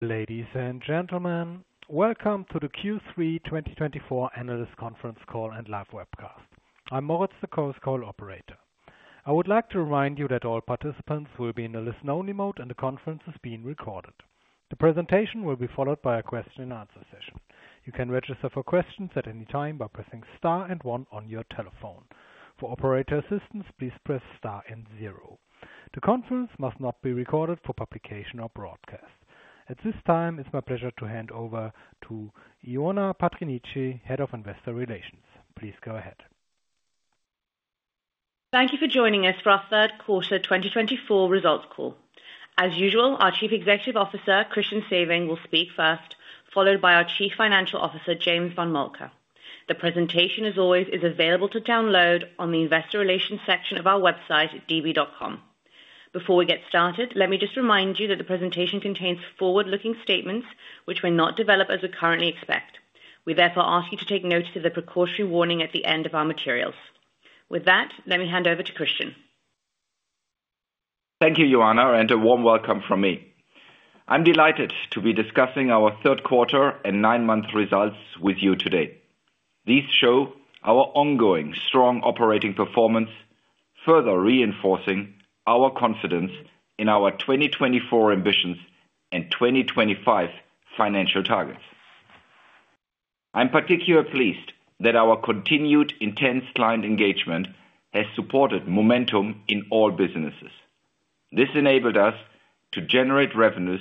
Ladies and gentlemen, Welcome to the Q3 2024 analyst conference call and live webcast. I'm Moritz, the Chorus Call operator. I would like to remind you that all participants will be in a listen-only mode, and the conference is being recorded. The presentation will be followed by a question and answer session. You can register for questions at any time by pressing star and one on your telephone. For operator assistance, please press star and zero. The conference must not be recorded for publication or broadcast. At this time, it's my pleasure to hand over to Ioana Patriniche, Head of Investor Relations. Please go ahead. Thank you for joining us for our third quarter 2024 results call. As usual, our Chief Executive Officer, Christian Sewing, will speak first, followed by our Chief Financial Officer, James von Moltke. The presentation, as always, is available to download on the Investor Relations section of our website at db.com. Before we get started, let me just remind you that the presentation contains forward-looking statements which may not develop as we currently expect. We therefore ask you to take note of the precautionary warning at the end of our materials. With that, let me hand over to Christian. Thank you, Ioana, and a warm welcome from me. I'm delighted to be discussing our third quarter and nine-month results with you today. These show our ongoing strong operating performance, further reinforcing our confidence in our 2024 ambitions and 2025 financial targets. I'm particularly pleased that our continued intense client engagement has supported momentum in all businesses. This enabled us to generate revenues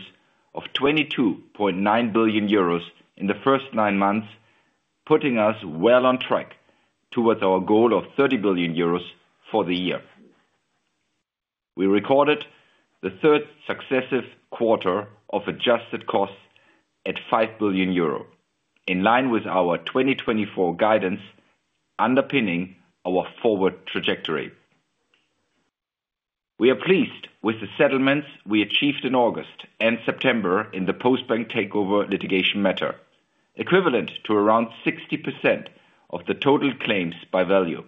of 22.9 billion euros in the first nine months, putting us well on track towards our goal of 30 billion euros for the year. We recorded the third successive quarter of adjusted costs at 5 billion euro, in line with our 2024 guidance, underpinning our forward trajectory. We are pleased with the settlements we achieved in August and September in the Postbank takeover litigation matter, equivalent to around 60% of the total claims by value.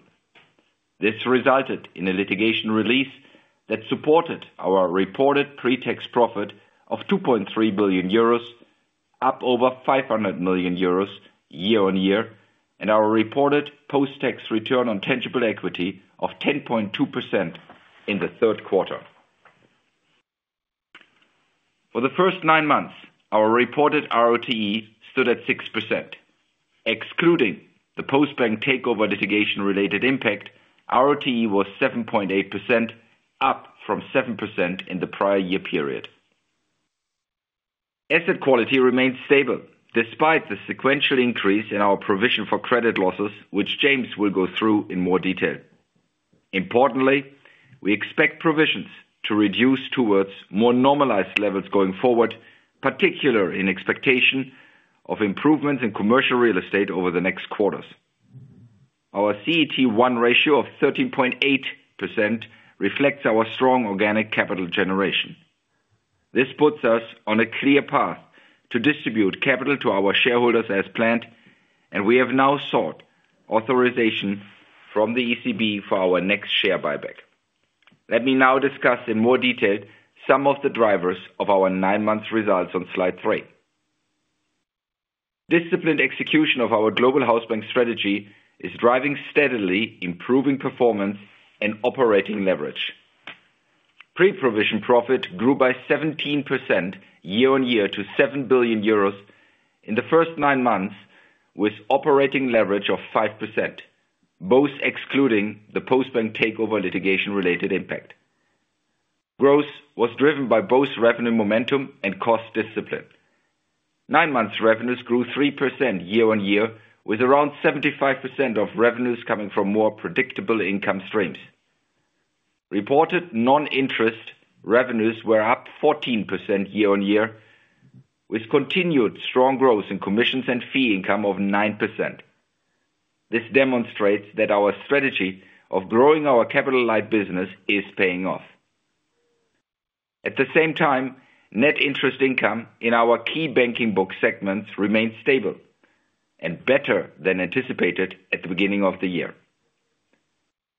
This resulted in a litigation release that supported our reported pre-tax profit of 2.3 billion euros, up over 500 million euros year-on-year, and our reported post-tax return on tangible equity of 10.2% in the third quarter. For the first nine months, our reported RoTE stood at 6%. Excluding the Postbank takeover litigation-related impact, RoTE was 7.8%, up from 7% in the prior year period. Asset quality remains stable despite the sequential increase in our provision for credit losses, which James will go through in more detail. Importantly, we expect provisions to reduce towards more normalized levels going forward, particularly in expectation of improvements in commercial real estate over the next quarters. Our CET1 ratio of 13.8% reflects our strong organic capital generation. This puts us on a clear path to distribute capital to our shareholders as planned, and we have now sought authorization from the ECB for our next share buyback. Let me now discuss in more detail some of the drivers of our nine-month results on slide three. Disciplined execution of our Global Hausbank strategy is driving steadily improving performance and operating leverage. Pre-provision profit grew by 17% year-on-year to 7 billion euros in the first nine months, with operating leverage of 5%, both excluding the Postbank takeover litigation-related impact. Growth was driven by both revenue momentum and cost discipline. Nine-month revenues grew 3% year-on-year, with around 75% of revenues coming from more predictable income streams. Reported non-interest revenues were up 14% year-on-year, with continued strong growth in commissions and fee income of 9%. This demonstrates that our strategy of growing our capital light business is paying off. At the same time, net interest income in our key banking book segments remained stable and better than anticipated at the beginning of the year.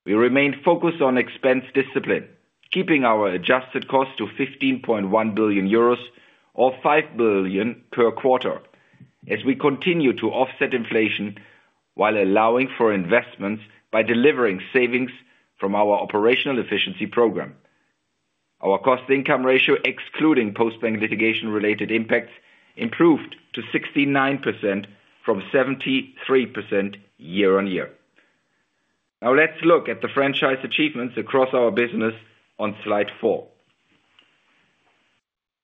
We remained focused on expense discipline, keeping our adjusted cost to 15.1 billion euros or 5 billion per quarter as we continue to offset inflation while allowing for investments by delivering savings from our operational efficiency program. Our cost-to-income ratio, excluding Postbank litigation related impacts, improved to 69% from 73% year-on-year. Now let's look at the franchise achievements across our business on slide four.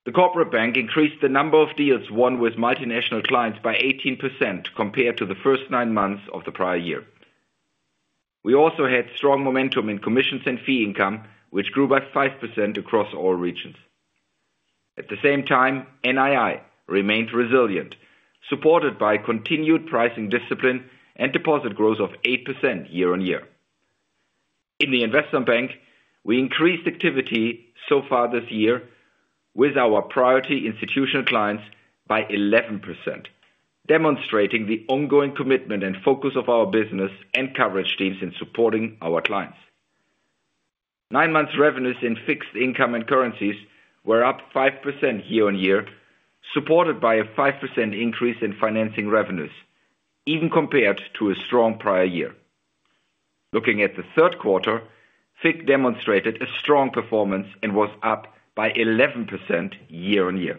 The Corporate Bank increased the number of deals won with multinational clients by 18% compared to the first nine months of the prior year. We also had strong momentum in commissions and fee income, which grew by 5% across all regions. At the same time, NII remained resilient, supported by continued pricing discipline and deposit growth of 8% year-on-year. In the Investment Bank, we increased activity so far this year with our priority institutional clients by 11%, demonstrating the ongoing commitment and focus of our business and coverage teams in supporting our clients. Nine months revenues in Fixed Income & Currencies were up 5% year-on-year, supported by a 5% increase in financing revenues, even compared to a strong prior year. Looking at the third quarter, FICC demonstrated a strong performance and was up by 11% year-on-year.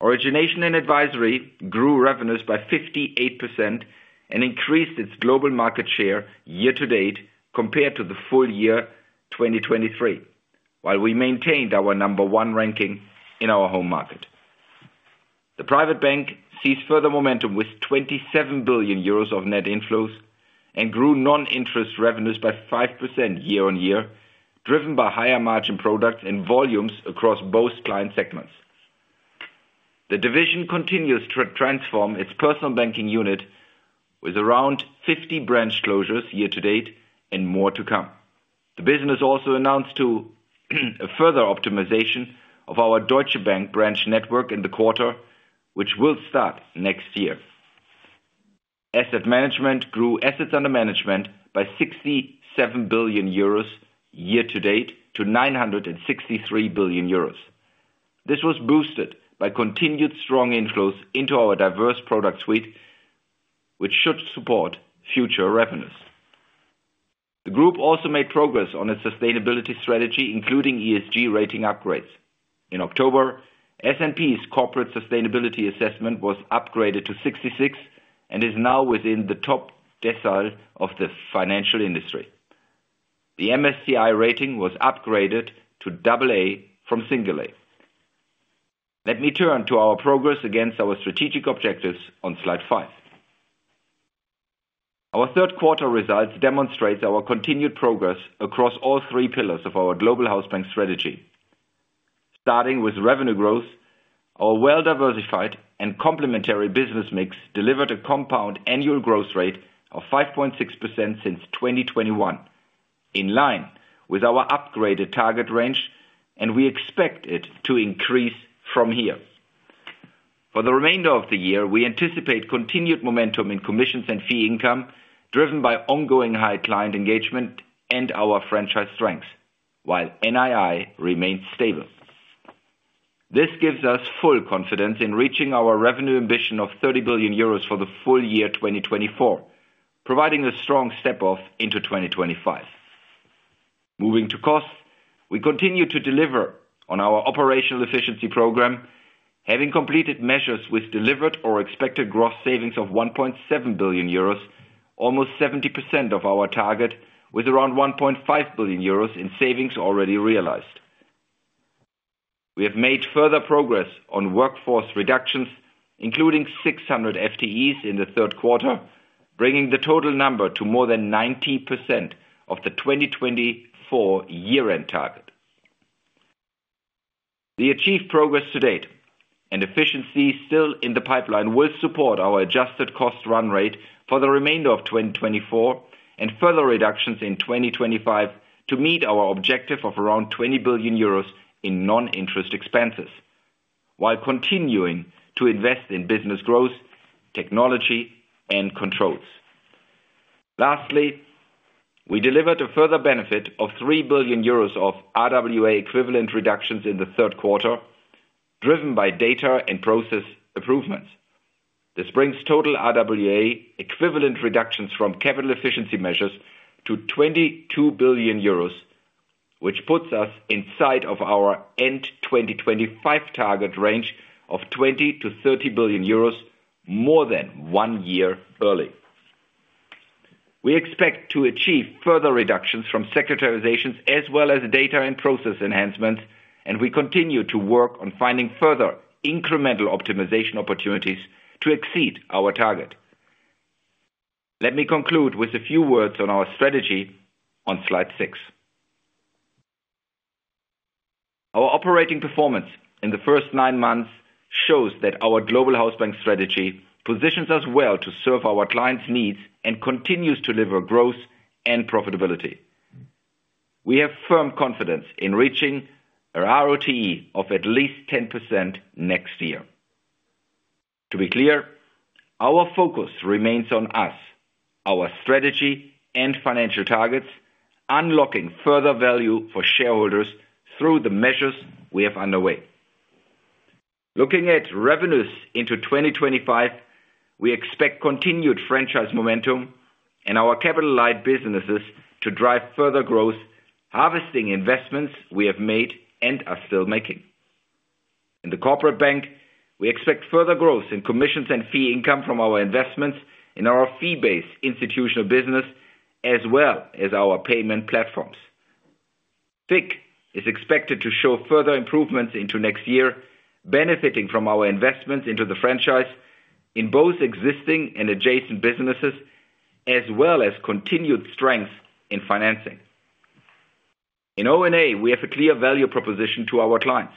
Origination & Advisory grew revenues by 58% and increased its global market share year-to-date compared to the full year 2023, while we maintained our number one ranking in our home market. The Private Bank seized further momentum with 27 billion euros of net inflows and grew non-interest revenues by 5% year-on-year, driven by higher margin products and volumes across both client segments. The division continues to transform its Personal Banking unit with around 50 branch closures year-to-date and more to come. The business also announced a further optimization of our Deutsche Bank branch network in the quarter, which will start next year. Asset Management grew assets under management by 67 billion euros year-to-date to 963 billion euros. This was boosted by continued strong inflows into our diverse product suite, which should support future revenues. The group also made progress on its sustainability strategy, including ESG rating upgrades. In October, S&P's corporate sustainability assessment was upgraded to 66 and is now within the top decile of the financial industry. The MSCI rating was upgraded to double A from single A. Let me turn to our progress against our strategic objectives on slide five. Our third quarter results demonstrates our continued progress across all three pillars of our Global Hausbank strategy. Starting with revenue growth, our well-diversified and complementary business mix delivered a compound annual growth rate of 5.6% since 2021, in line with our upgraded target range, and we expect it to increase from here. For the remainder of the year, we anticipate continued momentum in commissions and fee income, driven by ongoing high client engagement and our franchise strengths, while NII remains stable. This gives us full confidence in reaching our revenue ambition of 30 billion euros for the full year 2024, providing a strong step off into 2025. Moving to costs, we continue to deliver on our operational efficiency program, having completed measures with delivered or expected gross savings of 1.7 billion euros, almost 70% of our target, with around 1.5 billion euros in savings already realized. We have made further progress on workforce reductions, including 600 FTEs in the third quarter, bringing the total number to more than 90% of the 2024 year-end target. The achieved progress to date and efficiency still in the pipeline will support our adjusted cost run rate for the remainder of 2024 and further reductions in 2025 to meet our objective of around 20 billion euros in non-interest expenses, while continuing to invest in business growth, technology, and controls. Lastly, we delivered a further benefit of 3 billion euros of RWA equivalent reductions in the third quarter, driven by data and process improvements. This brings total RWA equivalent reductions from capital efficiency measures to 22 billion euros, which puts us inside of our end 2025 target range of 20-30 billion euros more than one year early. We expect to achieve further reductions from securitizations as well as data and process enhancements, and we continue to work on finding further incremental optimization opportunities to exceed our target. Let me conclude with a few words on our strategy on slide six. Our operating performance in the first nine months shows that our Global Hausbank strategy positions us well to serve our clients' needs and continues to deliver growth and profitability. We have firm confidence in reaching our RoTE of at least 10% next year. To be clear, our focus remains on us, our strategy and financial targets, unlocking further value for shareholders through the measures we have underway. Looking at revenues into 2025, we expect continued franchise momentum in our capital light businesses to drive further growth, harvesting investments we have made and are still making. In the Corporate Bank, we expect further growth in commissions and fee income from our investments in our fee-based institutional business, as well as our payment platforms. FICC is expected to show further improvements into next year, benefiting from our investments into the franchise in both existing and adjacent businesses, as well as continued strength in financing. In O&A, we have a clear value proposition to our clients,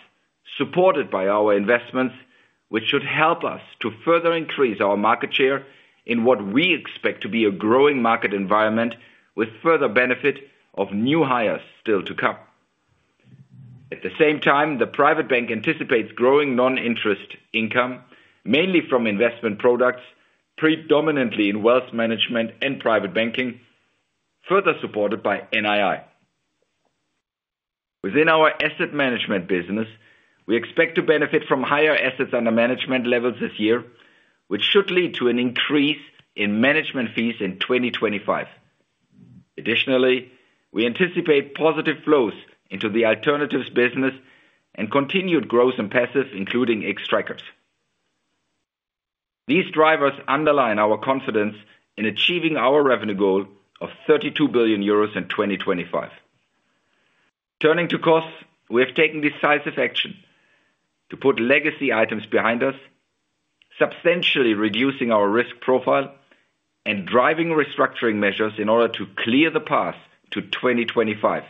supported by our investments, which should help us to further increase our market share in what we expect to be a growing market environment with further benefit of new hires still to come. At the same time, the Private Bank anticipates growing non-interest income, mainly from investment products, predominantly in Wealth Management and Private Banking, further supported by NII. Within our Asset Management business, we expect to benefit from higher assets under management levels this year, which should lead to an increase in management fees in 2025. Additionally, we anticipate positive flows into the alternatives business and continued growth in passives, including Xtrackers. These drivers underline our confidence in achieving our revenue goal of 32 billion euros in 2025. Turning to costs, we have taken decisive action to put legacy items behind us, substantially reducing our risk profile and driving restructuring measures in order to clear the path to 2025,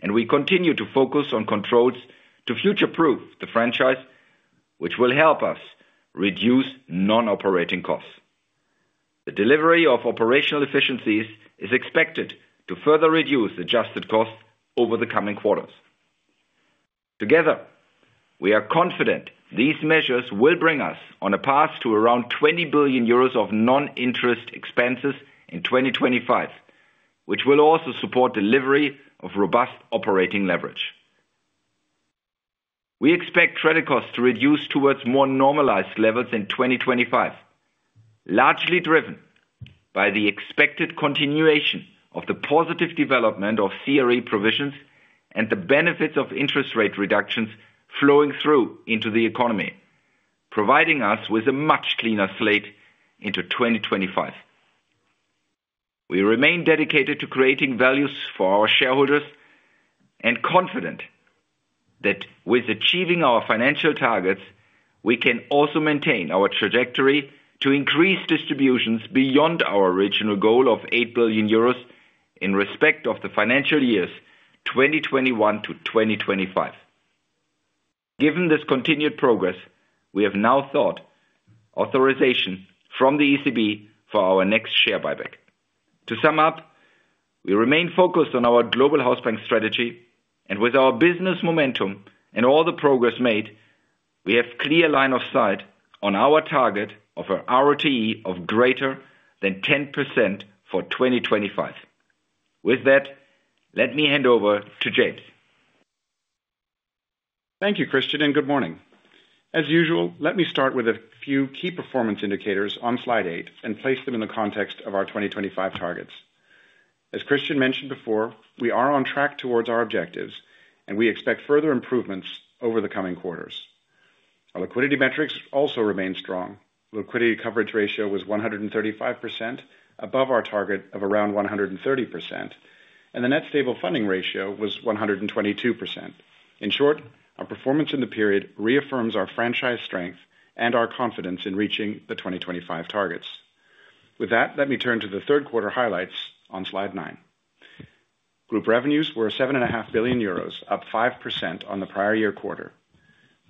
and we continue to focus on controls to future-proof the franchise, which will help us reduce non-operating costs. The delivery of operational efficiencies is expected to further reduce adjusted costs over the coming quarters. Together, we are confident these measures will bring us on a path to around 20 billion euros of non-interest expenses in 2025, which will also support delivery of robust operating leverage. We expect credit costs to reduce towards more normalized levels in 2025, largely driven by the expected continuation of the positive development of CRE provisions and the benefits of interest rate reductions flowing through into the economy, providing us with a much cleaner slate into 2025. We remain dedicated to creating value for our shareholders and confident that with achieving our financial targets, we can also maintain our trajectory to increase distributions beyond our original goal of 8 billion euros in respect of the financial years 2021 to 2025. Given this continued progress, we have now sought authorization from the ECB for our next share buyback. To sum up, we remain focused on our Global Hausbank strategy, and with our business momentum and all the progress made, we have clear line of sight on our target of our RoE of greater than 10% for 2025. With that, let me hand over to James. Thank you, Christian, and good morning. As usual, let me start with a few key performance indicators on slide eight and place them in the context of our 2025 targets. As Christian mentioned before, we are on track towards our objectives, and we expect further improvements over the coming quarters. Our liquidity metrics also remain strong. Liquidity coverage ratio was 135%, above our target of around 130%, and the net stable funding ratio was 122%. In short, our performance in the period reaffirms our franchise strength and our confidence in reaching the 2025 targets. With that, let me turn to the third quarter highlights on slide nine. Group revenues were 7.5 billion euros, up 5% on the prior year quarter.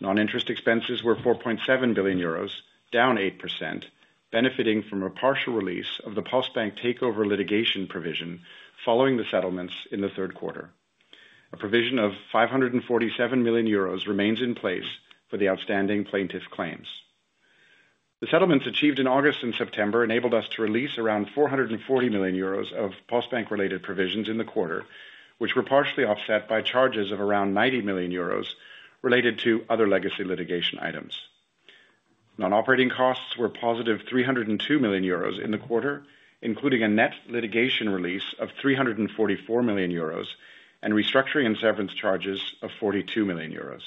Non-interest expenses were 4.7 billion euros, down 8%, benefiting from a partial release of the Postbank takeover litigation provision following the settlements in the third quarter. A provision of 547 million euros remains in place for the outstanding plaintiff claims. The settlements achieved in August and September enabled us to release around 440 million euros of Postbank-related provisions in the quarter, which were partially offset by charges of around 90 million euros related to other legacy litigation items. Non-operating costs were positive 302 million euros in the quarter, including a net litigation release of 344 million euros and restructuring and severance charges of 42 million euros.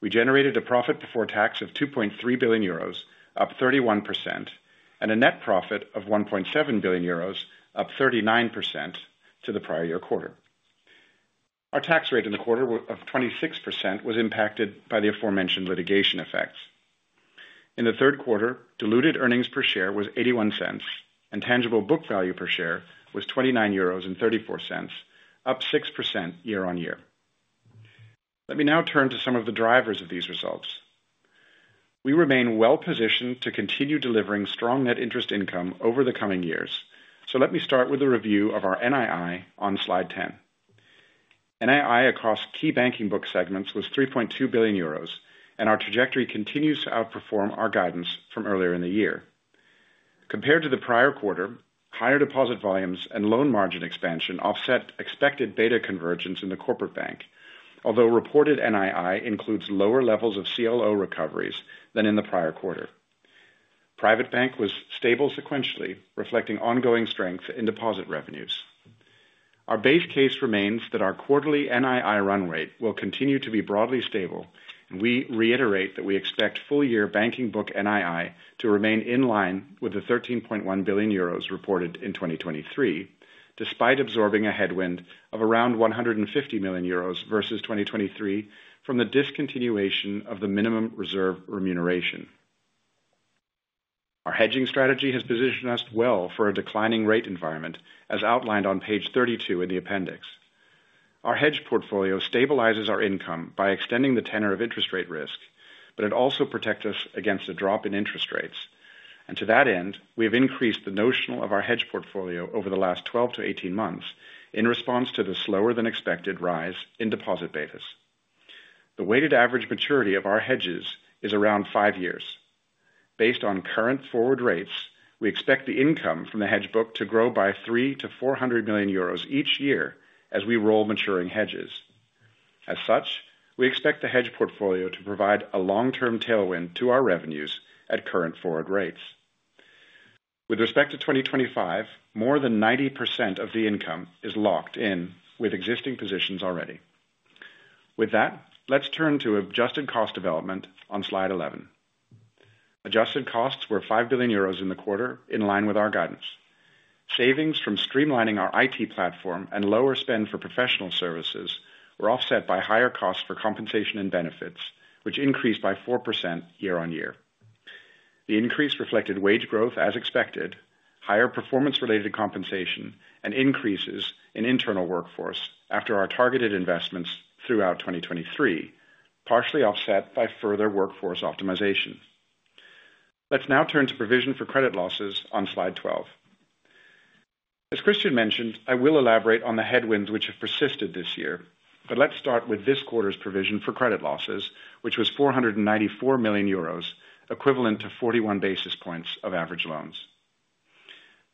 We generated a profit before tax of 2.3 billion euros, up 31%, and a net profit of 1.7 billion euros, up 39% to the prior year quarter. Our tax rate in the quarter of 26% was impacted by the aforementioned litigation effects. In the third quarter, diluted earnings per share was 0.81, and tangible book value per share was 29.34 euros, up 6% year-on-year. Let me now turn to some of the drivers of these results. We remain well-positioned to continue delivering strong net interest income over the coming years. So let me start with a review of our NII on slide 10. NII across key banking book segments was 3.2 billion euros, and our trajectory continues to outperform our guidance from earlier in the year. Compared to the prior quarter, higher deposit volumes and loan margin expansion offset expected beta convergence in the Corporate Bank, although reported NII includes lower levels of CLO recoveries than in the prior quarter. Private Bank was stable sequentially, reflecting ongoing strength in deposit revenues. Our base case remains that our quarterly NII run rate will continue to be broadly stable, and we reiterate that we expect full-year banking book NII to remain in line with 13.1 billion euros reported in 2023, despite absorbing a headwind of around 150 million euros versus 2023 from the discontinuation of the minimum reserve remuneration. Our hedging strategy has positioned us well for a declining rate environment, as outlined on page 32 in the appendix. Our hedge portfolio stabilizes our income by extending the tenor of interest rate risk, but it also protects us against a drop in interest rates, and to that end, we have increased the notional of our hedge portfolio over the last 12 to 18 months in response to the slower than expected rise in deposit beta. The weighted average maturity of our hedges is around five years. Based on current forward rates, we expect the income from the hedge book to grow by 300-400 million euros each year as we roll maturing hedges. As such, we expect the hedge portfolio to provide a long-term tailwind to our revenues at current forward rates. With respect to 2025, more than 90% of the income is locked in with existing positions already. With that, let's turn to adjusted cost development on Slide 11. Adjusted costs were 5 billion euros in the quarter, in line with our guidance. Savings from streamlining our IT platform and lower spend for professional services were offset by higher costs for compensation and benefits, which increased by 4% year-on-year. The increase reflected wage growth as expected, higher performance-related compensation, and increases in internal workforce after our targeted investments throughout 2023, partially offset by further workforce optimization. Let's now turn to provision for credit losses on slide 12. As Christian mentioned, I will elaborate on the headwinds, which have persisted this year, but let's start with this quarter's provision for credit losses, which was 494 million euros, equivalent to 41 basis points of average loans.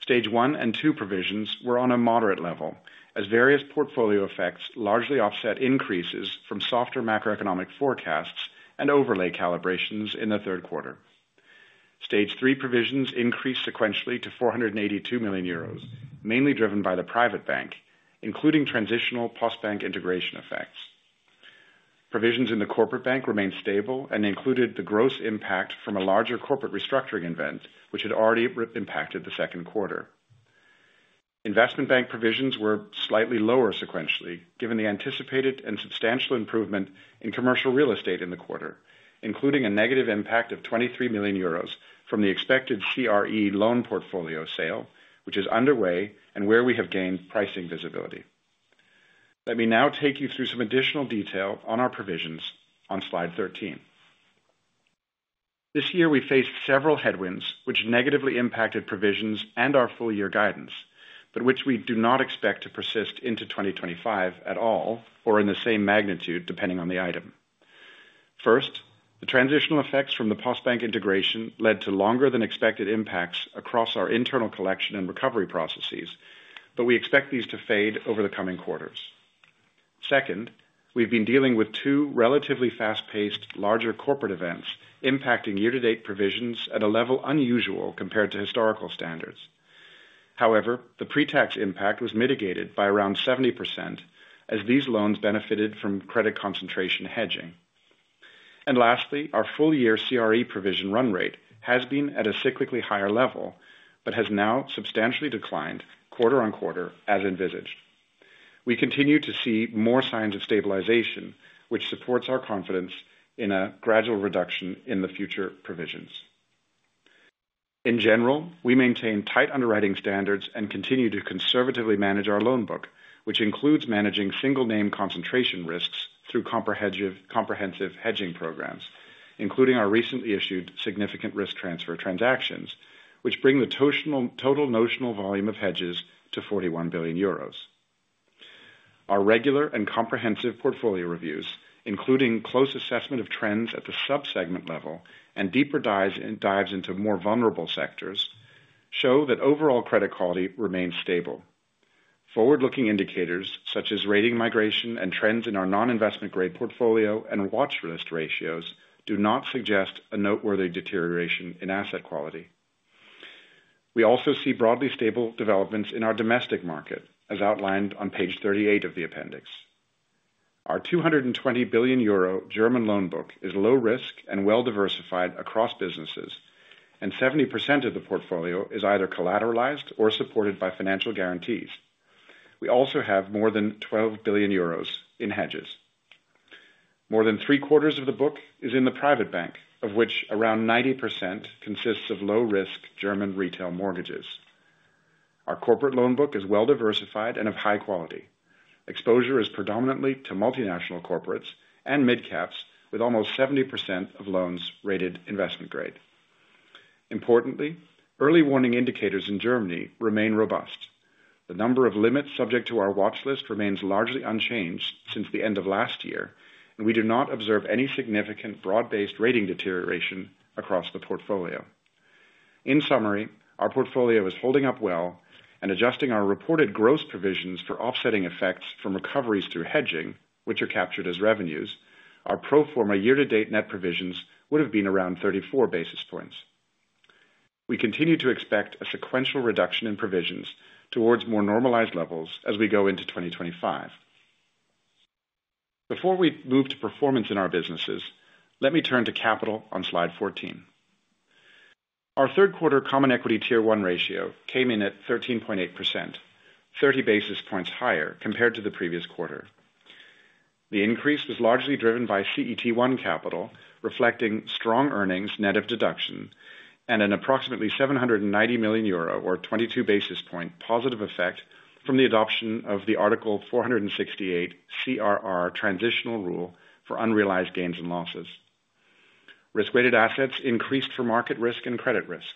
Stage 1 and 2 provisions were on a moderate level, as various portfolio effects largely offset increases from softer macroeconomic forecasts and overlay calibrations in the third quarter. Stage 3 provisions increased sequentially to 482 million euros, mainly driven by the Private Bank, including transitional Postbank integration effects. Provisions in the Corporate Bank remained stable and included the gross impact from a larger corporate restructuring event, which had already reimpacted the second quarter. Investment Bank provisions were slightly lower sequentially, given the anticipated and substantial improvement in commercial real estate in the quarter, including a negative impact of 23 million euros from the expected CRE loan portfolio sale, which is underway and where we have gained pricing visibility. Let me now take you through some additional detail on our provisions on Slide 13. This year, we faced several headwinds, which negatively impacted provisions and our full year guidance, but which we do not expect to persist into 2025 at all, or in the same magnitude, depending on the item. First, the transitional effects from the Postbank integration led to longer than expected impacts across our internal collection and recovery processes, but we expect these to fade over the coming quarters. Second, we've been dealing with two relatively fast-paced, larger corporate events, impacting year-to-date provisions at a level unusual compared to historical standards. However, the pre-tax impact was mitigated by around 70% as these loans benefited from credit concentration hedging. And lastly, our full year CRE provision run rate has been at a cyclically higher level, but has now substantially declined quarter on quarter as envisaged. We continue to see more signs of stabilization, which supports our confidence in a gradual reduction in the future provisions. In general, we maintain tight underwriting standards and continue to conservatively manage our loan book, which includes managing single name concentration risks through comprehensive hedging programs, including our recently issued significant risk transfer transactions, which bring the total notional volume of hedges to 41 billion euros. Our regular and comprehensive portfolio reviews, including close assessment of trends at the sub-segment level and deeper dives into more vulnerable sectors, show that overall credit quality remains stable. Forward-looking indicators, such as rating migration and trends in our non-investment grade portfolio and watchlist ratios, do not suggest a noteworthy deterioration in asset quality. We also see broadly stable developments in our domestic market, as outlined on page 38 of the appendix. Our 220 billion euro German loan book is low risk and well diversified across businesses, and 70% of the portfolio is either collateralized or supported by financial guarantees. We also have more than 12 billion euros in hedges. More than three quarters of the book is in the Private Bank, of which around 90% consists of low-risk German retail mortgages. Our corporate loan book is well diversified and of high quality. Exposure is predominantly to multinational corporates and midcaps, with almost 70% of loans rated investment grade. Importantly, early warning indicators in Germany remain robust. The number of limits subject to our watchlist remains largely unchanged since the end of last year, and we do not observe any significant broad-based rating deterioration across the portfolio. In summary, our portfolio is holding up well and adjusting our reported gross provisions for offsetting effects from recoveries through hedging, which are captured as revenues. Our pro forma year-to-date net provisions would have been around 34 basis points. We continue to expect a sequential reduction in provisions towards more normalized levels as we go into 2025. Before we move to performance in our businesses, let me turn to capital on slide 14. Our third quarter Common Equity Tier 1 ratio came in at 13.8%, 30 basis points higher compared to the previous quarter. The increase was largely driven by CET1 capital, reflecting strong earnings net of deduction and an approximately 790 million euro or 22 basis points positive effect from the adoption of the Article 468 CRR transitional rule for unrealized gains and losses. Risk-weighted assets increased for market risk and credit risk.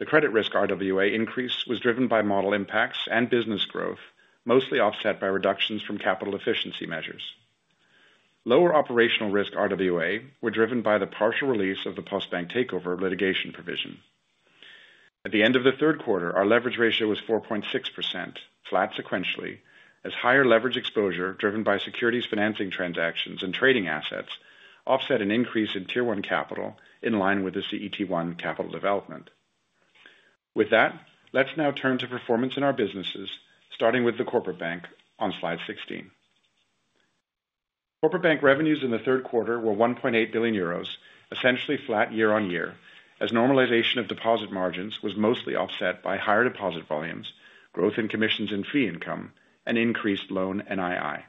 The credit risk RWA increase was driven by model impacts and business growth, mostly offset by reductions from capital efficiency measures. Lower operational risk RWA were driven by the partial release of the Postbank takeover litigation provision. At the end of the third quarter, our leverage ratio was 4.6%, flat sequentially, as higher leverage exposure, driven by securities financing transactions and trading assets, offset an increase in Tier 1 capital, in line with the CET1 capital development. With that, let's now turn to performance in our businesses, starting with the Corporate Bank on slide 16. Corporate Bank revenues in the third quarter were 1.8 billion euros, essentially flat year-on-year, as normalization of deposit margins was mostly offset by higher deposit volumes, growth in commissions and fee income, and increased loan NII.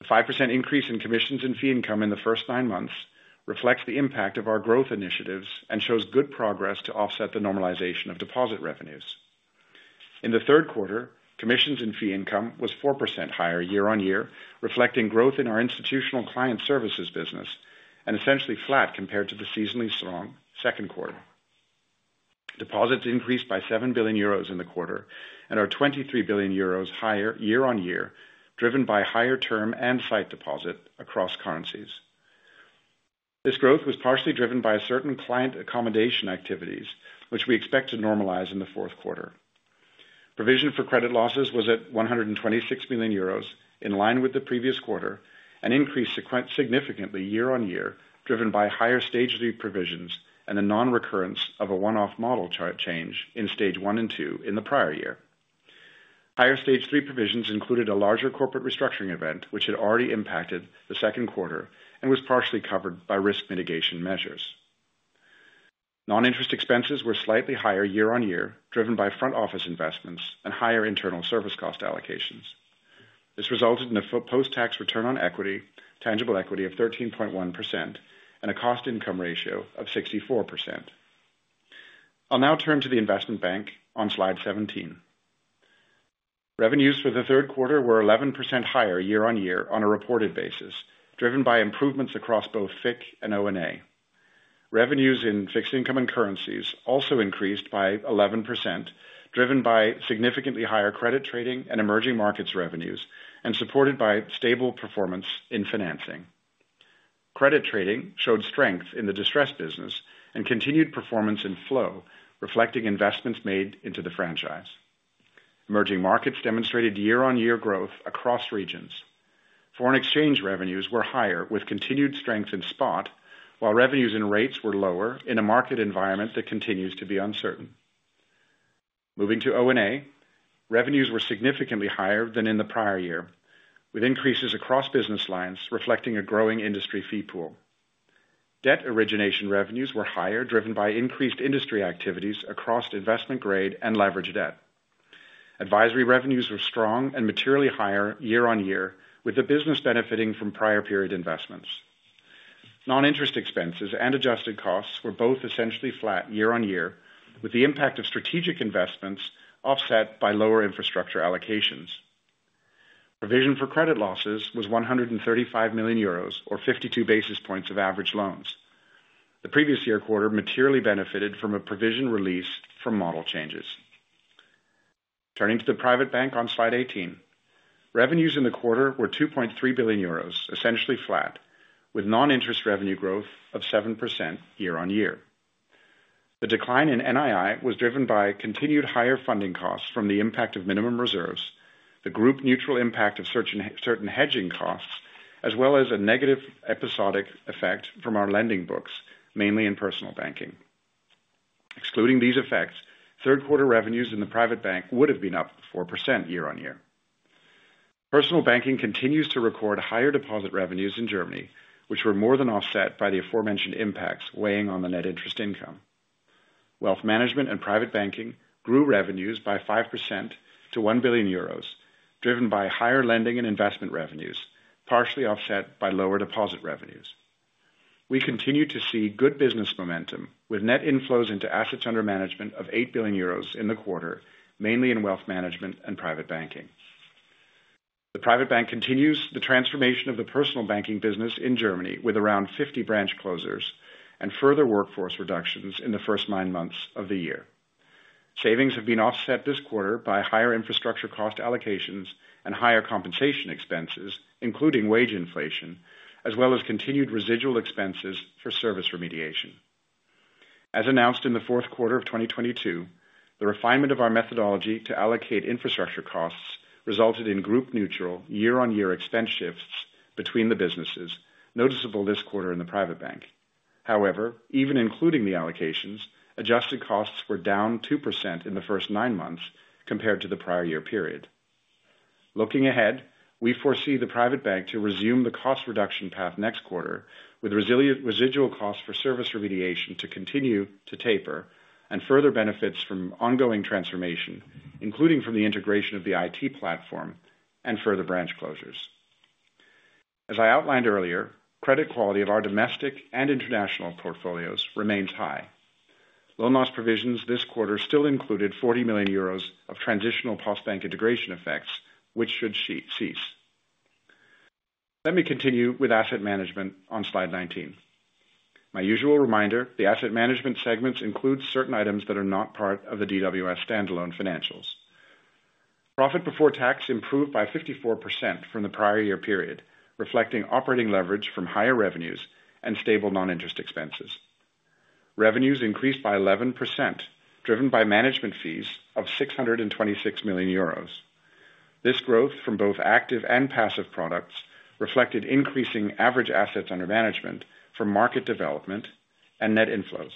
The 5% increase in commissions and fee income in the first nine months reflects the impact of our growth initiatives and shows good progress to offset the normalization of deposit revenues. In the third quarter, commissions and fee income was 4% higher year-on-year, reflecting growth in our institutional client services business and essentially flat compared to the seasonally strong second quarter. Deposits increased by 7 billion euros in the quarter and are 23 billion euros higher year-on-year, driven by higher term and sight deposit across currencies. This growth was partially driven by a certain client accommodation activities, which we expect to normalize in the fourth quarter. Provision for credit losses was at 126 million euros, in line with the previous quarter, and increased significantly year-on-year, driven by higher Stage 3 provisions and a non-recurrence of a one-off model chart change in Stage 1 and 2 in the prior year. Higher Stage 3 provisions included a larger corporate restructuring event, which had already impacted the second quarter and was partially covered by risk mitigation measures. Non-interest expenses were slightly higher year-on-year, driven by front office investments and higher internal service cost allocations. This resulted in a pre-tax return on tangible equity of 13.1% and a cost-income ratio of 64%. I'll now turn to the Investment Bank on slide 17. Revenues for the third quarter were 11% higher year-on-year on a reported basis, driven by improvements across both FICC and O&A. Revenues in Fixed Income & Currencies also increased by 11%, driven by significantly higher credit trading and emerging markets revenues, and supported by stable performance in financing. Credit trading showed strength in the distressed business and continued performance in flow, reflecting investments made into the franchise. Emerging markets demonstrated year-on-year growth across regions. Foreign exchange revenues were higher, with continued strength in spot, while revenues and rates were lower in a market environment that continues to be uncertain. Moving to O&A, revenues were significantly higher than in the prior year, with increases across business lines reflecting a growing industry fee pool. Debt origination revenues were higher, driven by increased industry activities across investment grade and leveraged debt. Advisory revenues were strong and materially higher year-on-year, with the business benefiting from prior period investments. Non-interest expenses and adjusted costs were both essentially flat year-on-year, with the impact of strategic investments offset by lower infrastructure allocations. Provision for credit losses was 135 million euros, or 52 basis points of average loans. The previous year quarter materially benefited from a provision release from model changes. Turning to the Private Bank on slide 18. Revenues in the quarter were 2.3 billion euros, essentially flat, with non-interest revenue growth of 7% year-on-year. The decline in NII was driven by continued higher funding costs from the impact of minimum reserves, the group neutral impact of certain hedging costs, as well as a negative episodic effect from our lending books, mainly in Personal Banking. Excluding these effects, third quarter revenues in the Private Bank would have been up 4% year-on-year. Personal Banking continues to record higher deposit revenues in Germany, which were more than offset by the aforementioned impacts weighing on the net interest income. Wealth Management and Private Banking grew revenues by 5% to 1 billion euros, driven by higher lending and investment revenues, partially offset by lower deposit revenues. We continue to see good business momentum, with net inflows into assets under management of 8 billion euros in the quarter, mainly in Wealth Management and Private Banking. The Private Bank continues the transformation of the ersonal banking business in Germany, with around 50 branch closures and further workforce reductions in the first nine months of the year. Savings have been offset this quarter by higher infrastructure cost allocations and higher compensation expenses, including wage inflation, as well as continued residual expenses for service remediation. As announced in the fourth quarter of 2022, the refinement of our methodology to allocate infrastructure costs resulted in group neutral, year-on-year expense shifts between the businesses, noticeable this quarter in the Private Bank. However, even including the allocations, adjusted costs were down 2% in the first nine months compared to the prior year period. Looking ahead, we foresee the Private Bank to resume the cost reduction path next quarter, with residual costs for service remediation to continue to taper and further benefits from ongoing transformation, including from the integration of the IT platform and further branch closures. As I outlined earlier, credit quality of our domestic and international portfolios remains high. Loan loss provisions this quarter still included 40 million euros of transitional Postbank integration effects, which should cease. Let me continue with Asset Management on slide 19. My usual reminder, the Asset Management segments include certain items that are not part of the DWS standalone financials. Profit before tax improved by 54% from the prior year period, reflecting operating leverage from higher revenues and stable non-interest expenses. Revenues increased by 11%, driven by management fees of 626 million euros. This growth from both active and passive products reflected increasing average assets under management for market development and net inflows.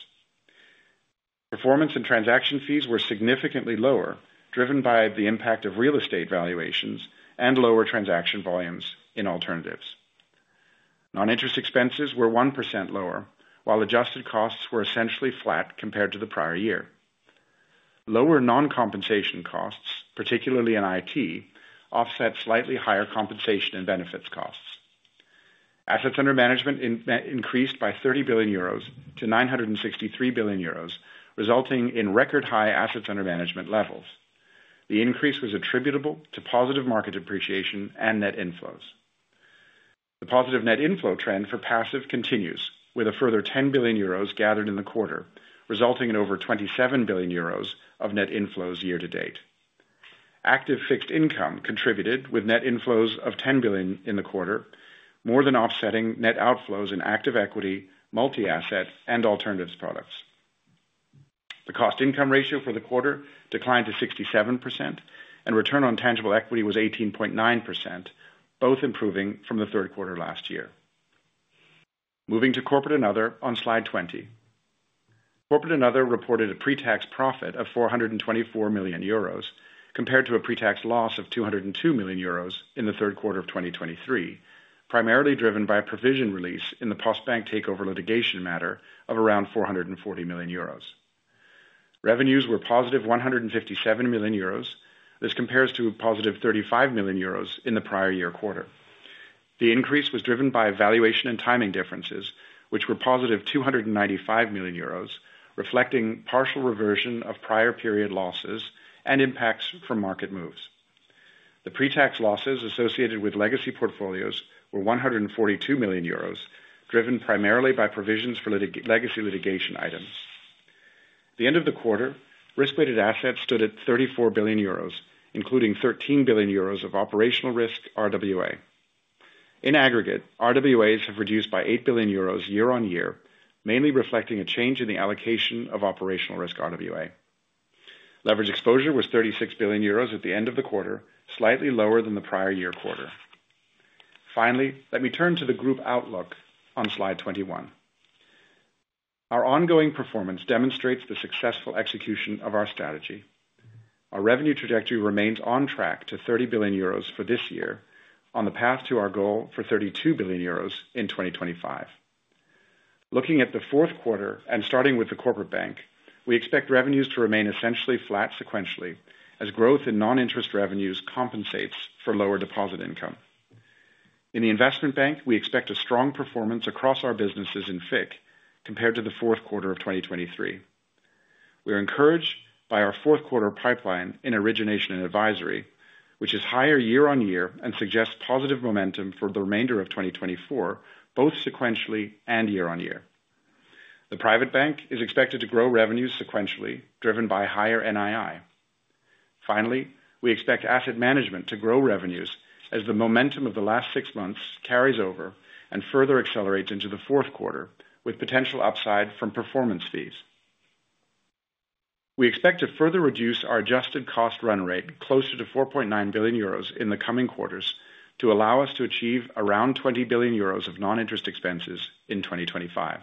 Performance and transaction fees were significantly lower, driven by the impact of real estate valuations and lower transaction volumes in alternatives. Non-interest expenses were 1% lower, while adjusted costs were essentially flat compared to the prior year. Lower non-compensation costs, particularly in IT, offset slightly higher compensation and benefits costs. Assets under management increased by 30 billion euros to 963 billion euros, resulting in record high assets under management levels. The increase was attributable to positive market appreciation and net inflows. The positive net inflow trend for passive continues, with a further 10 billion euros gathered in the quarter, resulting in over 27 billion euros of net inflows year-to-date. Active fixed income contributed with net inflows of 10 billion in the quarter, more than offsetting net outflows in active equity, multi-asset, and alternatives products. The cost-income ratio for the quarter declined to 67%, and return on tangible equity was 18.9%, both improving from the third quarter last year. Moving to corporate and other on slide 20. Corporate and other reported a pre-tax profit of 424 million euros, compared to a pre-tax loss of 202 million euros in the third quarter of 2023, primarily driven by a provision release in the Postbank takeover litigation matter of around 440 million euros. Revenues were positive 157 million euros. This compares to a positive 35 million euros in the prior year quarter. The increase was driven by valuation and timing differences, which were positive 295 million euros, reflecting partial reversion of prior period losses and impacts from market moves. The pre-tax losses associated with legacy portfolios were 142 million euros, driven primarily by provisions for legacy litigation items. At the end of the quarter, risk-weighted assets stood at 34 billion euros, including 13 billion euros of operational risk RWA. In aggregate, RWAs have reduced by 8 billion euros year-on-year, mainly reflecting a change in the allocation of operational risk RWA. Leverage exposure was 36 billion euros at the end of the quarter, slightly lower than the prior year quarter. Finally, let me turn to the group outlook on slide 21. Our ongoing performance demonstrates the successful execution of our strategy. Our revenue trajectory remains on track to 30 billion euros for this year on the path to our goal for 32 billion euros in 2025. Looking at the fourth quarter and starting with the Corporate Bank, we expect revenues to remain essentially flat sequentially, as growth in non-interest revenues compensates for lower deposit income. In the Investment Bank, we expect a strong performance across our businesses in FICC compared to the fourth quarter of 2023. We are encouraged by our fourth quarter pipeline in Origination & Advisory, which is higher year-on-year and suggests positive momentum for the remainder of 2024, both sequentially and year-on-year. The Private Bank is expected to grow revenues sequentially, driven by higher NII. Finally, we expect Asset Management to grow revenues as the momentum of the last six months carries over and further accelerates into the fourth quarter, with potential upside from performance fees. We expect to further reduce our adjusted cost run rate closer to 4.9 billion euros in the coming quarters to allow us to achieve around 20 billion euros of non-interest expenses in 2025.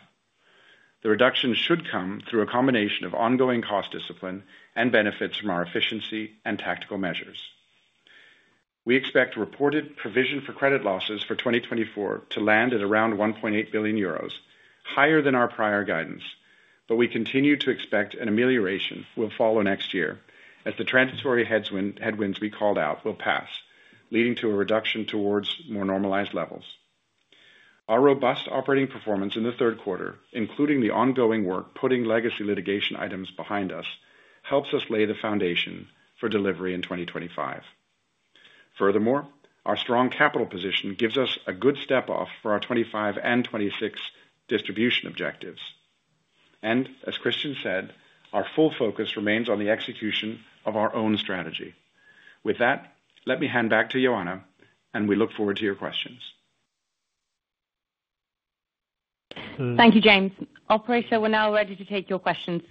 The reduction should come through a combination of ongoing cost discipline and benefits from our efficiency and tactical measures. We expect reported provision for credit losses for 2024 to land at around 1.8 billion euros, higher than our prior guidance, but we continue to expect an amelioration will follow next year as the transitory headwinds we called out will pass, leading to a reduction towards more normalized levels. Our robust operating performance in the third quarter, including the ongoing work, putting legacy litigation items behind us, helps us lay the foundation for delivery in 2025. Furthermore, our strong capital position gives us a good step off for our 2025 and 2026 distribution objectives. And as Christian said, our full focus remains on the execution of our own strategy. With that, let me hand back to Ioana, and we look forward to your questions. Thank you, James. Operator, we're now ready to take your questions.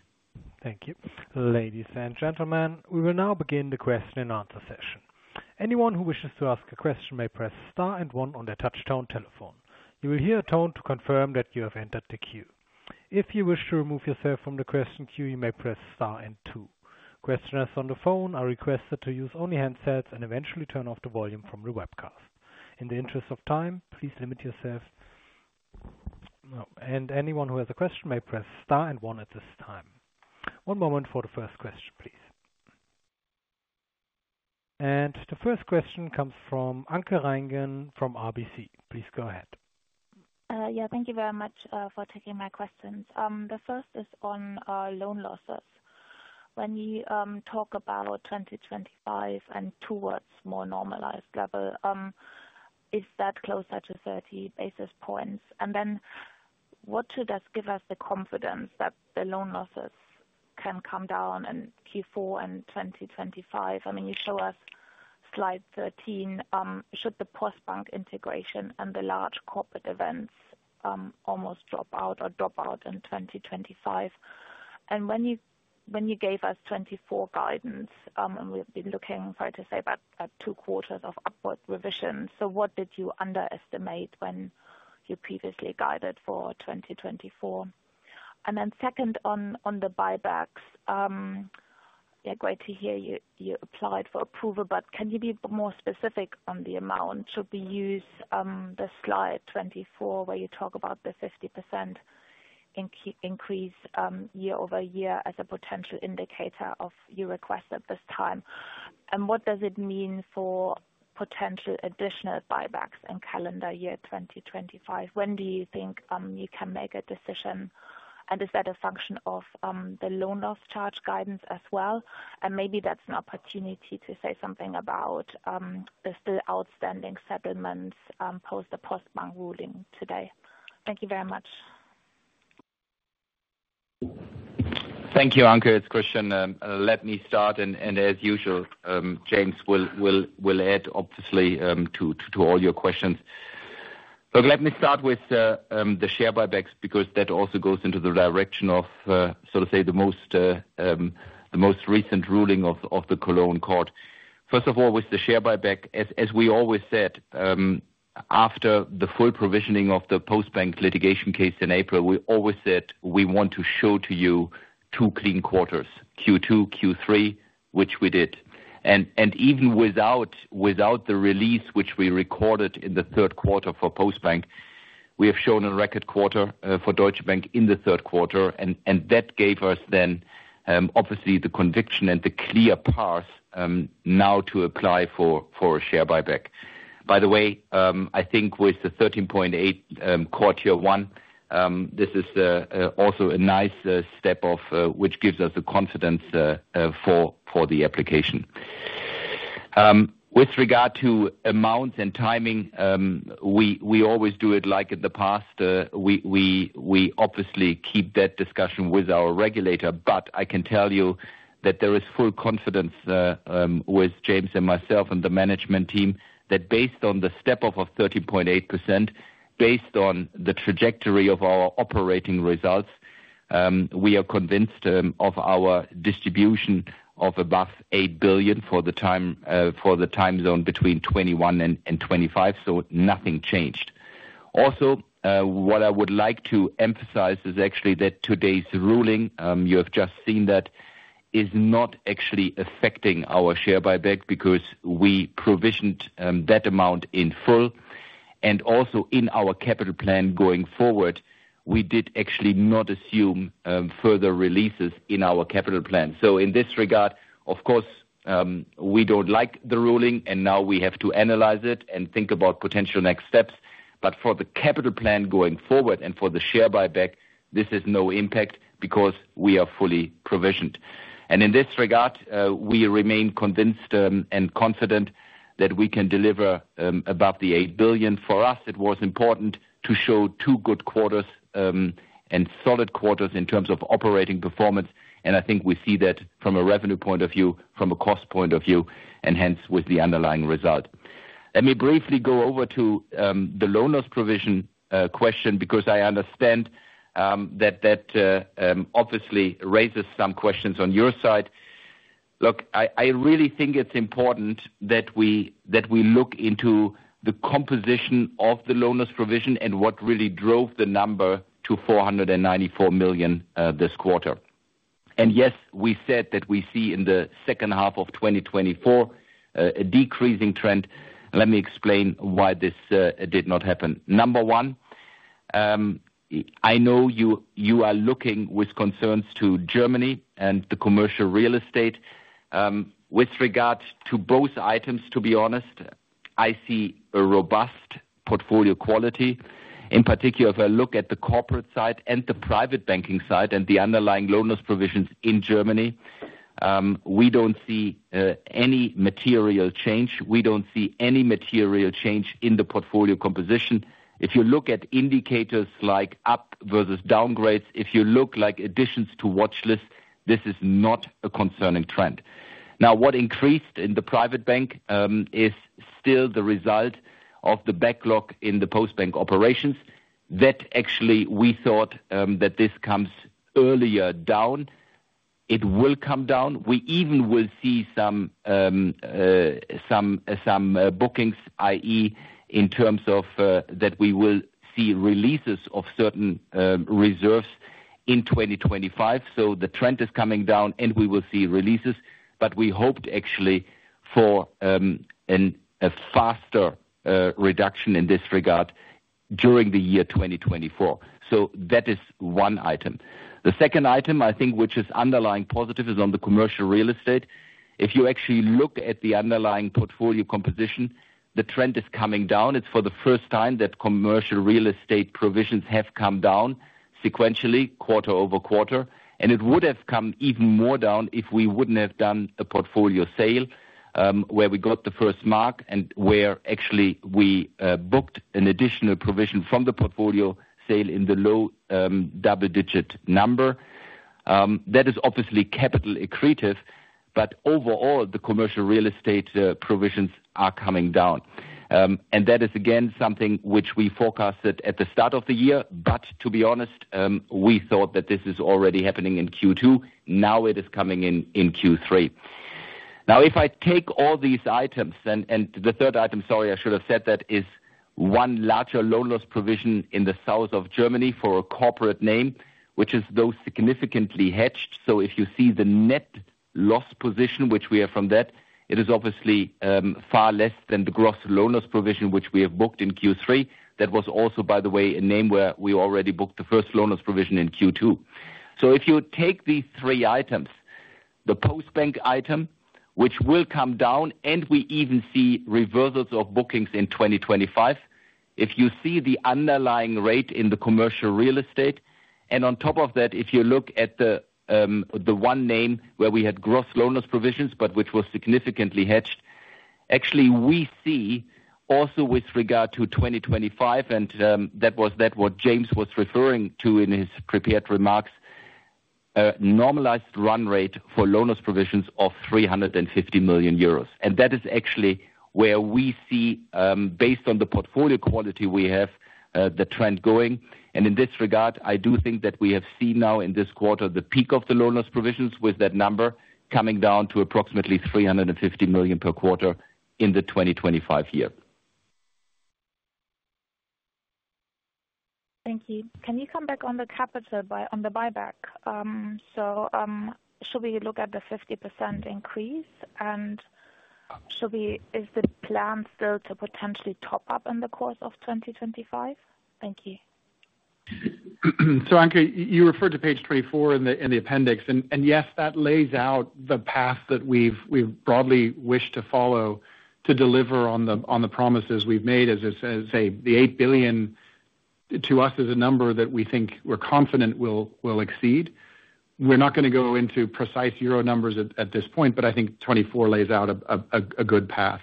Thank you. Ladies and gentlemen, we will now begin the question and answer session. Anyone who wishes to ask a question may press star and one on their touch-tone telephone. You will hear a tone to confirm that you have entered the queue. If you wish to remove yourself from the question queue, you may press star and two. Questioners on the phone are requested to use only handsets and eventually turn off the volume from the webcast. In the interest of time, please limit yourself. And anyone who has a question may press star and one at this time. One moment for the first question, please. And the first question comes from Anke Reingen from RBC. Please go ahead. Yeah, thank you very much for taking my questions. The first is on our loan losses. When you talk about 2025 and towards more normalized level, is that closer to 30 basis points? And then what should that give us the confidence that the loan losses can come down in Q4 and 2025? I mean, you show us slide 13. Should the Postbank integration and the large corporate events almost drop out or drop out in 2025? And when you gave us 2024 guidance, and we've been looking for, to say, about two quarters of upward revision. So what did you underestimate when you previously guided for 2024? And then second, on the buybacks. Yeah, great to hear you applied for approval, but can you be more specific on the amount? Should we use the slide 24, where you talk about the 50% increase year-over-year as a potential indicator of your request at this time? And what does it mean for potential additional buybacks in calendar year 2025? When do you think you can make a decision, and is that a function of the loan loss charge guidance as well? And maybe that's an opportunity to say something about the still outstanding settlements post the Postbank ruling today. Thank you very much. Thank you, Anke, it's Christian, let me start, and as usual, James will add obviously to all your questions. So let me start with the share buybacks, because that also goes into the direction of, so to say, the most recent ruling of the Cologne court. First of all, with the share buyback, as we always said, after the full provisioning of the Postbank litigation case in April, we always said, we want to show to you two clean quarters, Q2, Q3, which we did. And even without the release, which we recorded in the third quarter for Postbank, we have shown a record quarter for Deutsche Bank in the third quarter. That gave us then obviously the conviction and the clear path now to apply for a share buyback. By the way, I think with the 13.8 core Tier 1, this is also a nice step which gives us the confidence for the application. With regard to amounts and timing, we always do it like in the past. We obviously keep that discussion with our regulator, but I can tell you that there is full confidence with James and myself and the management team, that based on the step up of 13.8%, based on the trajectory of our operating results, we are convinced of our distribution of above 8 billion for the time, for the time zone between 2021 and 2025, so nothing changed. Also, what I would like to emphasize is actually that today's ruling, you have just seen that, is not actually affecting our share buyback because we provisioned that amount in full and also in our capital plan going forward, we did actually not assume further releases in our capital plan. So in this regard, of course, we don't like the ruling, and now we have to analyze it and think about potential next steps. But for the capital plan going forward and for the share buyback, this is no impact because we are fully provisioned. And in this regard, we remain convinced and confident that we can deliver above the 8 billion. For us, it was important to show two good quarters and solid quarters in terms of operating performance, and I think we see that from a revenue point of view, from a cost point of view, and hence with the underlying result. Let me briefly go over to the loan loss provision question, because I understand that obviously raises some questions on your side. Look, I really think it's important that we look into the composition of the loan loss provision and what really drove the number to 494 million this quarter. And yes, we said that we see in the second half of 2024 a decreasing trend. Let me explain why this did not happen. Number one, I know you are looking with concerns to Germany and the commercial real estate. With regard to both items, to be honest, I see a robust portfolio quality. In particular, if I look at the corporate side and the Private Banking side and the underlying loan loss provisions in Germany, we don't see any material change. We don't see any material change in the portfolio composition. If you look at indicators like up versus downgrades, if you look like additions to watchlist, this is not a concerning trend. Now, what increased in the Private Bank is still the result of the backlog in the Postbank operations. That actually we thought that this comes earlier down. It will come down. We even will see some bookings, i.e., in terms of that we will see releases of certain reserves in 2025. So the trend is coming down and we will see releases, but we hoped actually for a faster reduction in this regard during the year 2024. So that is one item. The second item, I think, which is underlying positive, is on the commercial real estate. If you actually look at the underlying portfolio composition, the trend is coming down. It's for the first time that commercial real estate provisions have come down sequentially, quarter-over-quarter, and it would have come even more down if we wouldn't have done a portfolio sale, where we got the first mark and where actually we booked an additional provision from the portfolio sale in the low double-digit number. That is obviously capital accretive, but overall, the commercial real estate provisions are coming down, and that is, again, something which we forecasted at the start of the year, but to be honest, we thought that this is already happening in Q2. Now it is coming in Q3. Now, if I take all these items and the third item—sorry, I should have said that—is one larger loan loss provision in the south of Germany for a corporate name, which is, though, significantly hedged. So if you see the net loss position, which we are from that, it is obviously far less than the gross loan loss provision, which we have booked in Q3. That was also, by the way, a name where we already booked the first loan loss provision in Q2. So if you take these three items, the Postbank item, which will come down, and we even see reversals of bookings in 2025. If you see the underlying rate in the commercial real estate, and on top of that, if you look at the one name where we had gross loan loss provisions, but which was significantly hedged, actually, we see also with regard to 2025, and that was what James was referring to in his prepared remarks, a normalized run rate for loan loss provisions of 350 million euros. And that is actually where we see, based on the portfolio quality we have, the trend going. And in this regard, I do think that we have seen now in this quarter, the peak of the loan loss provisions, with that number coming down to approximately 350 million per quarter in 2025. Thank you. Can you come back on the capital buyback? So, should we look at the 50% increase, and is the plan still to potentially top up in the course of 2025? Thank you. Anke, you referred to page 24 in the appendix, and yes, that lays out the path that we've broadly wished to follow to deliver on the promises we've made. As I say, the 8 billion to us is a number that we think we're confident we'll exceed. We're not gonna go into precise Euro numbers at this point, but I think 24 lays out a good path.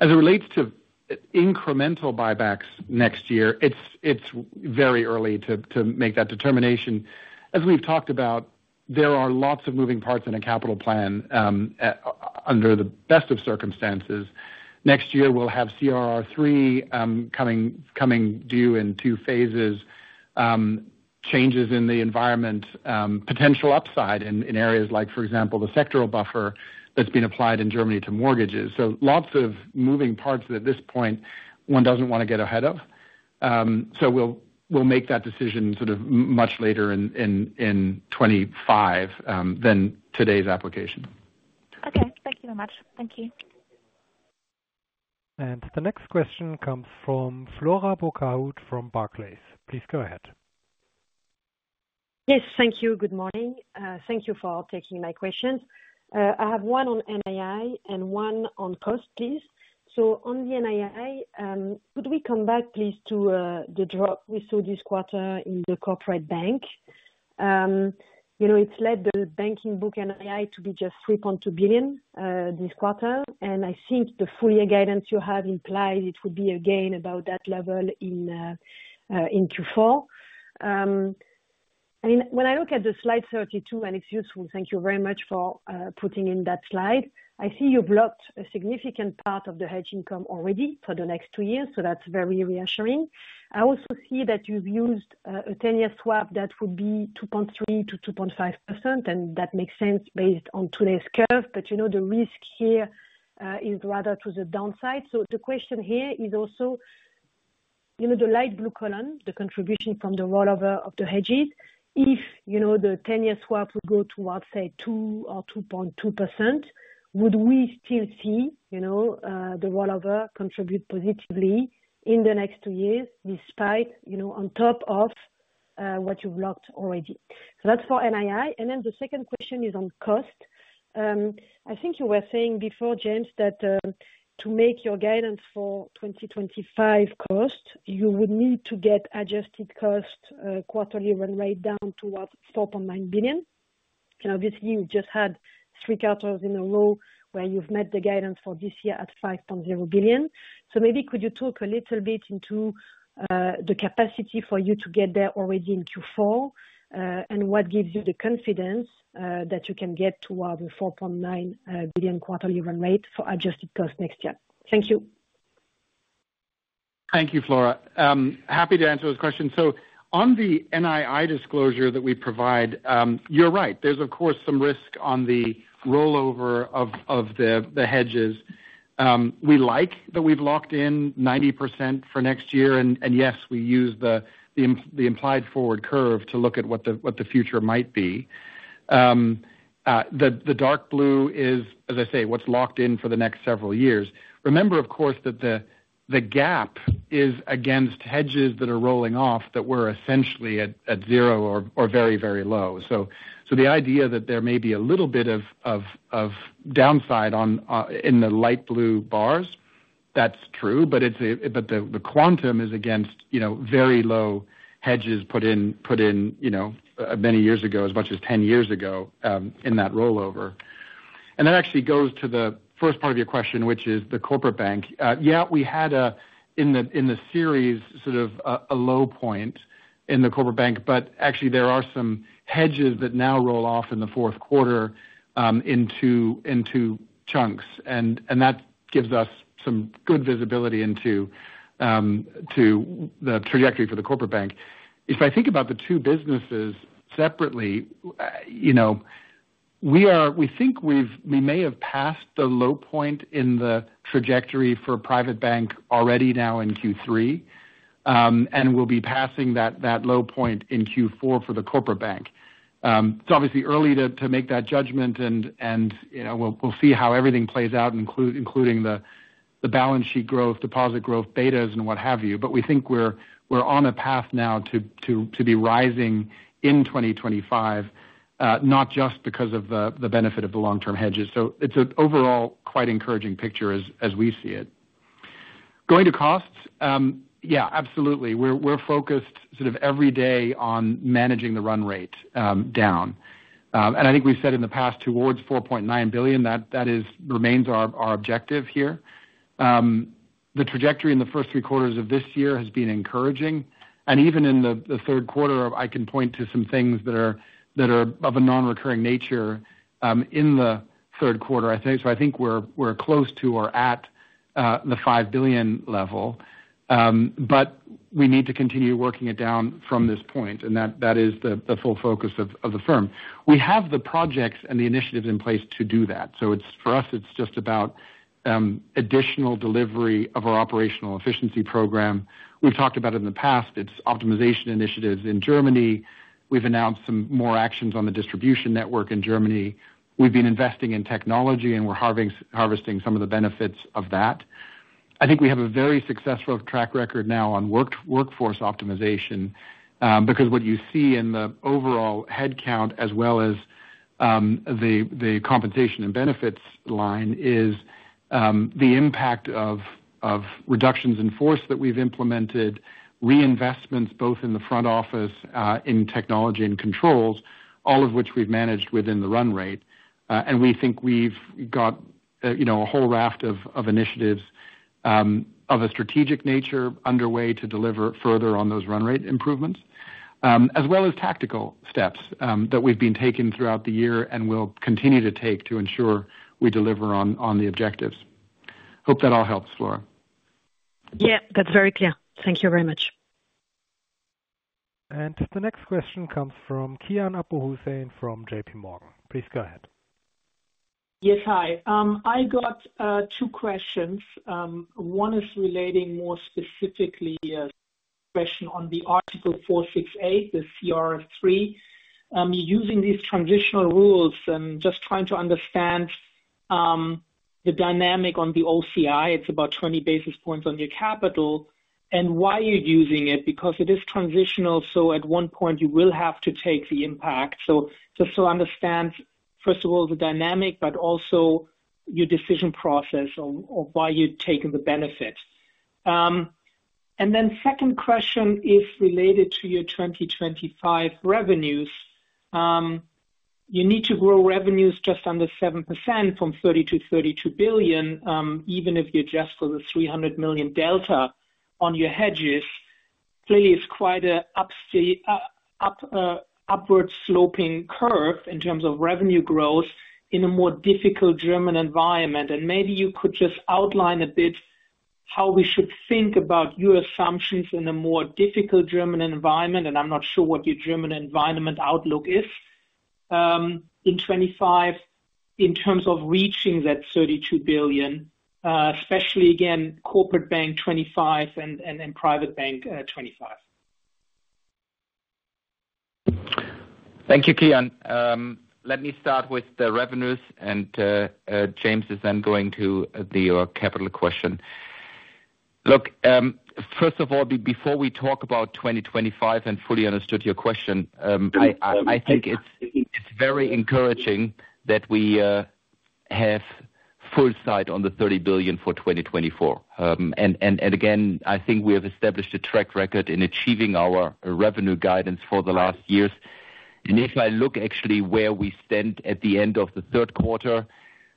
As it relates to incremental buybacks next year, it's very early to make that determination. As we've talked about, there are lots of moving parts in a capital plan under the best of circumstances. Next year, we'll have CRR3 coming due in two phases, changes in the environment, potential upside in areas like, for example, the sectoral buffer that's been applied in Germany to mortgages. So lots of moving parts at this point, one doesn't want to get ahead of. So we'll make that decision sort of much later in 2025 than today's application. Okay. Thank you very much. Thank you. The next question comes from Flora Bocahut from Barclays. Please go ahead. Yes, thank you. Good morning. Thank you for taking my questions. I have one on NII and one on cost, please. So on the NII, could we come back, please, to the drop we saw this quarter in the Corporate Bank? You know, it's led the banking book NII to be just 3.2 billion this quarter, and I think the full-year guidance you have implied it would be, again, about that level in Q4, and when I look at the slide 32, and it's useful, thank you very much for putting in that slide. I see you've locked a significant part of the hedge income already for the next two years, so that's very reassuring. I also see that you've used a ten-year swap that would be 2.3%-2.5%, and that makes sense based on today's curve. But you know, the risk here is rather to the downside. So the question here is also you know, the light blue column, the contribution from the rollover of the hedges. If you know, the ten-year swap would go towards say, 2%-2.2%, would we still see you know, the rollover contribute positively in the next two years, despite you know, on top of what you've locked already? So that's for NII. And then the second question is on cost. I think you were saying before, James, that to make your guidance for 2025 costs, you would need to get adjusted costs quarterly run rate down towards 4.9 billion. And obviously, you just had three quarters in a row where you've met the guidance for this year at 5.0 billion. So maybe could you talk a little bit into the capacity for you to get there already in Q4, and what gives you the confidence that you can get toward the 4.9 billion quarterly run rate for adjusted costs next year? Thank you. Thank you, Flora. Happy to answer those questions. So on the NII disclosure that we provide, you're right, there's of course some risk on the rollover of the hedges. We like that we've locked in 90% for next year, and yes, we use the implied forward curve to look at what the future might be. The dark blue is, as I say, what's locked in for the next several years. Remember, of course, that the gap is against hedges that are rolling off that were essentially at zero or very low. So the idea that there may be a little bit of downside on in the light blue bars, that's true, but it's but the quantum is against, you know, very low hedges put in, you know, many years ago, as much as 10 years ago, in that rollover. And that actually goes to the first part of your question, which is the Corporate Bank. Yeah, we had in the series, sort of, a low point in the Corporate Bank, but actually there are some hedges that now roll off in the fourth quarter, into chunks. And that gives us some good visibility into to the trajectory for the Corporate Bank. If I think about the two businesses separately, you know, we think we may have passed the low point in the trajectory for Private Bank already now in Q3, and we'll be passing that low point in Q4 for the Corporate Bank. It's obviously early to make that judgment, and you know, we'll see how everything plays out, including the balance sheet growth, deposit growth, betas, and what have you, but we think we're on a path now to be rising in 2025, not just because of the benefit of the long-term hedges, so it's an overall quite encouraging picture as we see it. Going to costs, yeah, absolutely. We're focused sort of every day on managing the run rate down. And I think we've said in the past, towards 4.9 billion, that is remains our objective here. The trajectory in the first three quarters of this year has been encouraging, and even in the third quarter, I can point to some things that are of a non-recurring nature in the third quarter, I think. So I think we're close to or at the 5 billion level, but we need to continue working it down from this point, and that is the full focus of the firm. We have the projects and the initiatives in place to do that. So it's for us it's just about additional delivery of our operational efficiency program. We've talked about it in the past. It's optimization initiatives in Germany. We've announced some more actions on the distribution network in Germany. We've been investing in technology, and we're harvesting some of the benefits of that. I think we have a very successful track record now on workforce optimization, because what you see in the overall headcount, as well as the compensation and benefits line, is the impact of reductions in force that we've implemented, reinvestments, both in the front office, in technology and controls, all of which we've managed within the run rate. And we think we've got, you know, a whole raft of initiatives of a strategic nature underway to deliver further on those run rate improvements. As well as tactical steps that we've been taking throughout the year and will continue to take to ensure we deliver on the objectives. Hope that all helps, Flora. Yeah, that's very clear. Thank you very much. The next question comes from Kian Abouhossein from JPMorgan. Please go ahead. Yes, hi. I got two questions. One is relating more specifically, a question on the Article 468, the CRR3. Using these transitional rules and just trying to understand the dynamic on the OCI, it's about 20 basis points on your capital, and why you're using it, because it is transitional, so at one point you will have to take the impact. So just to understand, first of all, the dynamic, but also your decision process of why you're taking the benefit. And then second question is related to your 2025 revenues. You need to grow revenues just under 7% from 30-32 billion, even if you adjust for the 300 million delta on your hedges. Clearly, it's quite an upward-sloping curve in terms of revenue growth in a more difficult German environment, and maybe you could just outline a bit how we should think about your assumptions in a more difficult German environment, and I'm not sure what your German environment outlook is, in 2025 in terms of reaching that 32 billion, especially again, Corporate Bank 2025 and Private Bank 2025. Thank you, Kian. Let me start with the revenues, and James is then going to the capital question. Look, first of all, before we talk about 2025 and fully understood your question, I think it's very encouraging that we have full sight on the 30 billion for 2024. And again, I think we have established a track record in achieving our revenue guidance for the last years. And if I look actually where we stand at the end of the third quarter,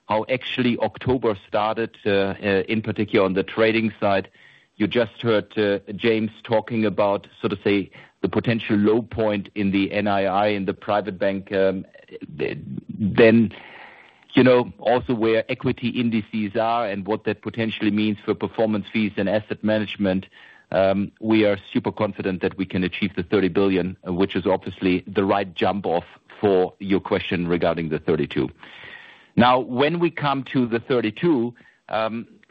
how actually October started, in particular on the trading side, you just heard James talking about, so to say, the potential low point in the NII in the Private Bank. Then, you know, also where equity indices are and what that potentially means for performance fees and Asset Management, we are super confident that we can achieve the 30 billion, which is obviously the right jump-off for your question regarding the 32.... Now, when we come to the 32,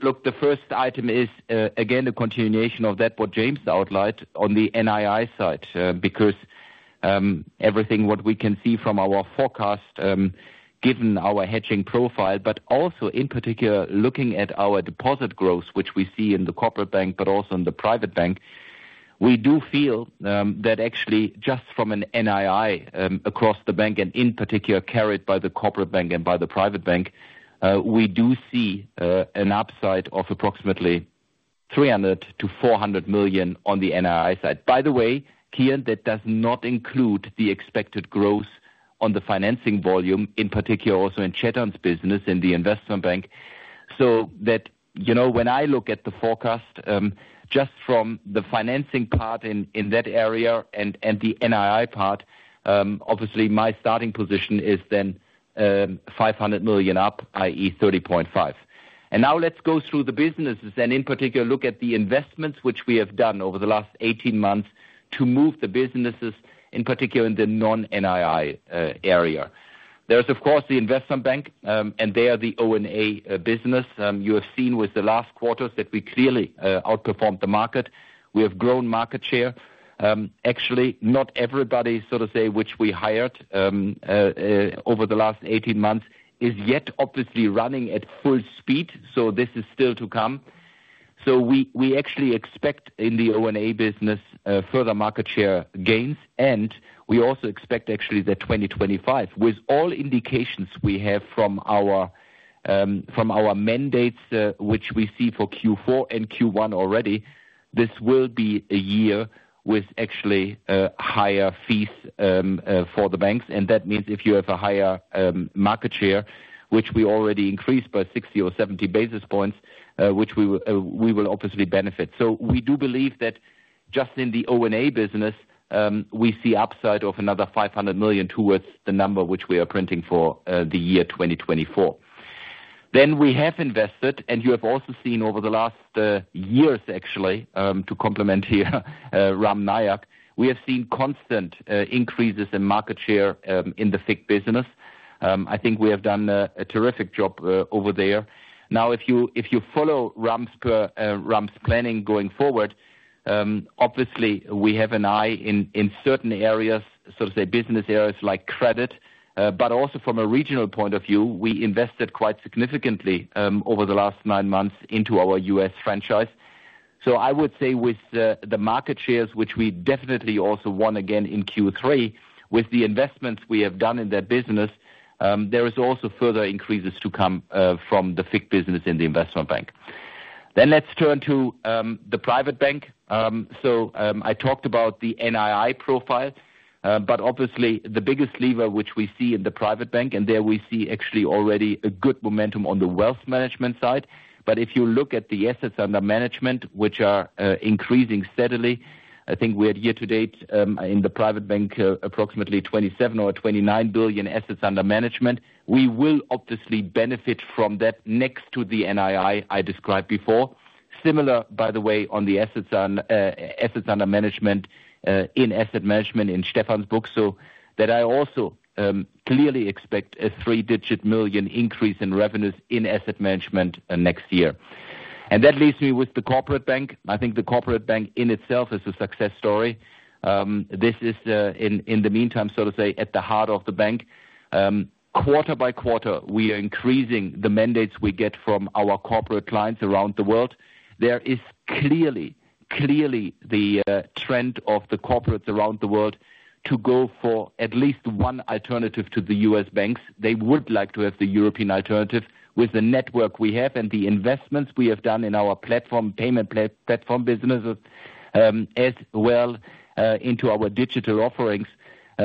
look, the first item is, again, a continuation of that what James outlined on the NII side, because, everything what we can see from our forecast, given our hedging profile, but also in particular, looking at our deposit growth, which we see in the Corporate Bank, but also in the Private Bank, we do feel, that actually just from an NII, across the bank and in particular carried by the Corporate Bank and by the Private Bank, we do see, an upside of approximately 300-400 million on the NII side. By the way, Kian, that does not include the expected growth on the financing volume, in particular, also in Chetan's business in the Investment Bank. So that, you know, when I look at the forecast, just from the financing part in that area and the NII part, obviously my starting position is then 500 million up, i.e., 30.5. And now let's go through the businesses, and in particular, look at the investments which we have done over the last 18 months to move the businesses, in particular in the non-NII area. There is, of course, the Investment Bank, and there, the O&A business. You have seen with the last quarters that we clearly outperformed the market. We have grown market share. Actually, not everybody, so to say, which we hired over the last 18 months, is yet obviously running at full speed, so this is still to come. So we actually expect in the O&A business further market share gains, and we also expect actually that 2025, with all indications we have from our mandates, which we see for Q4 and Q1 already, this will be a year with actually higher fees for the banks. And that means if you have a higher market share, which we already increased by 60 or 70 basis points, which we will obviously benefit. So we do believe that just in the O&A business we see upside of another 500 million towards the number which we are printing for the year 2024. Then we have invested, and you have also seen over the last years actually to complement here, Ram Nayak, we have seen constant increases in market share in the FICC business. I think we have done a terrific job over there. Now, if you follow Ram's planning going forward, obviously we have an eye in certain areas, so to say, business areas like credit, but also from a regional point of view, we invested quite significantly over the last nine months into our U.S. franchise. So I would say with the market shares, which we definitely also won again in Q3, with the investments we have done in that business, there is also further increases to come from the FICC business in the Investment Bank. Then let's turn to the Private Bank. I talked about the NII profile, but obviously the biggest lever which we see in the Private Bank, and there we see actually already a good momentum on the Wealth Management side. But if you look at the assets under management, which are increasing steadily, I think we are year-to-date in the Private Bank approximately 27 or 29 billion assets under management. We will obviously benefit from that next to the NII I described before. Similar, by the way, on the assets under management in Asset Management in Stefan's book, so that I also clearly expect a three-digit million increase in revenues in Asset Management next year. And that leaves me with the Corporate Bank. I think the Corporate Bank in itself is a success story. This is, in the meantime, so to say, at the heart of the bank. Quarter by quarter, we are increasing the mandates we get from our corporate clients around the world. There is clearly the trend of the corporates around the world to go for at least one alternative to the U.S. banks. They would like to have the European alternative. With the network we have and the investments we have done in our platform, payment platform business, as well, into our digital offerings,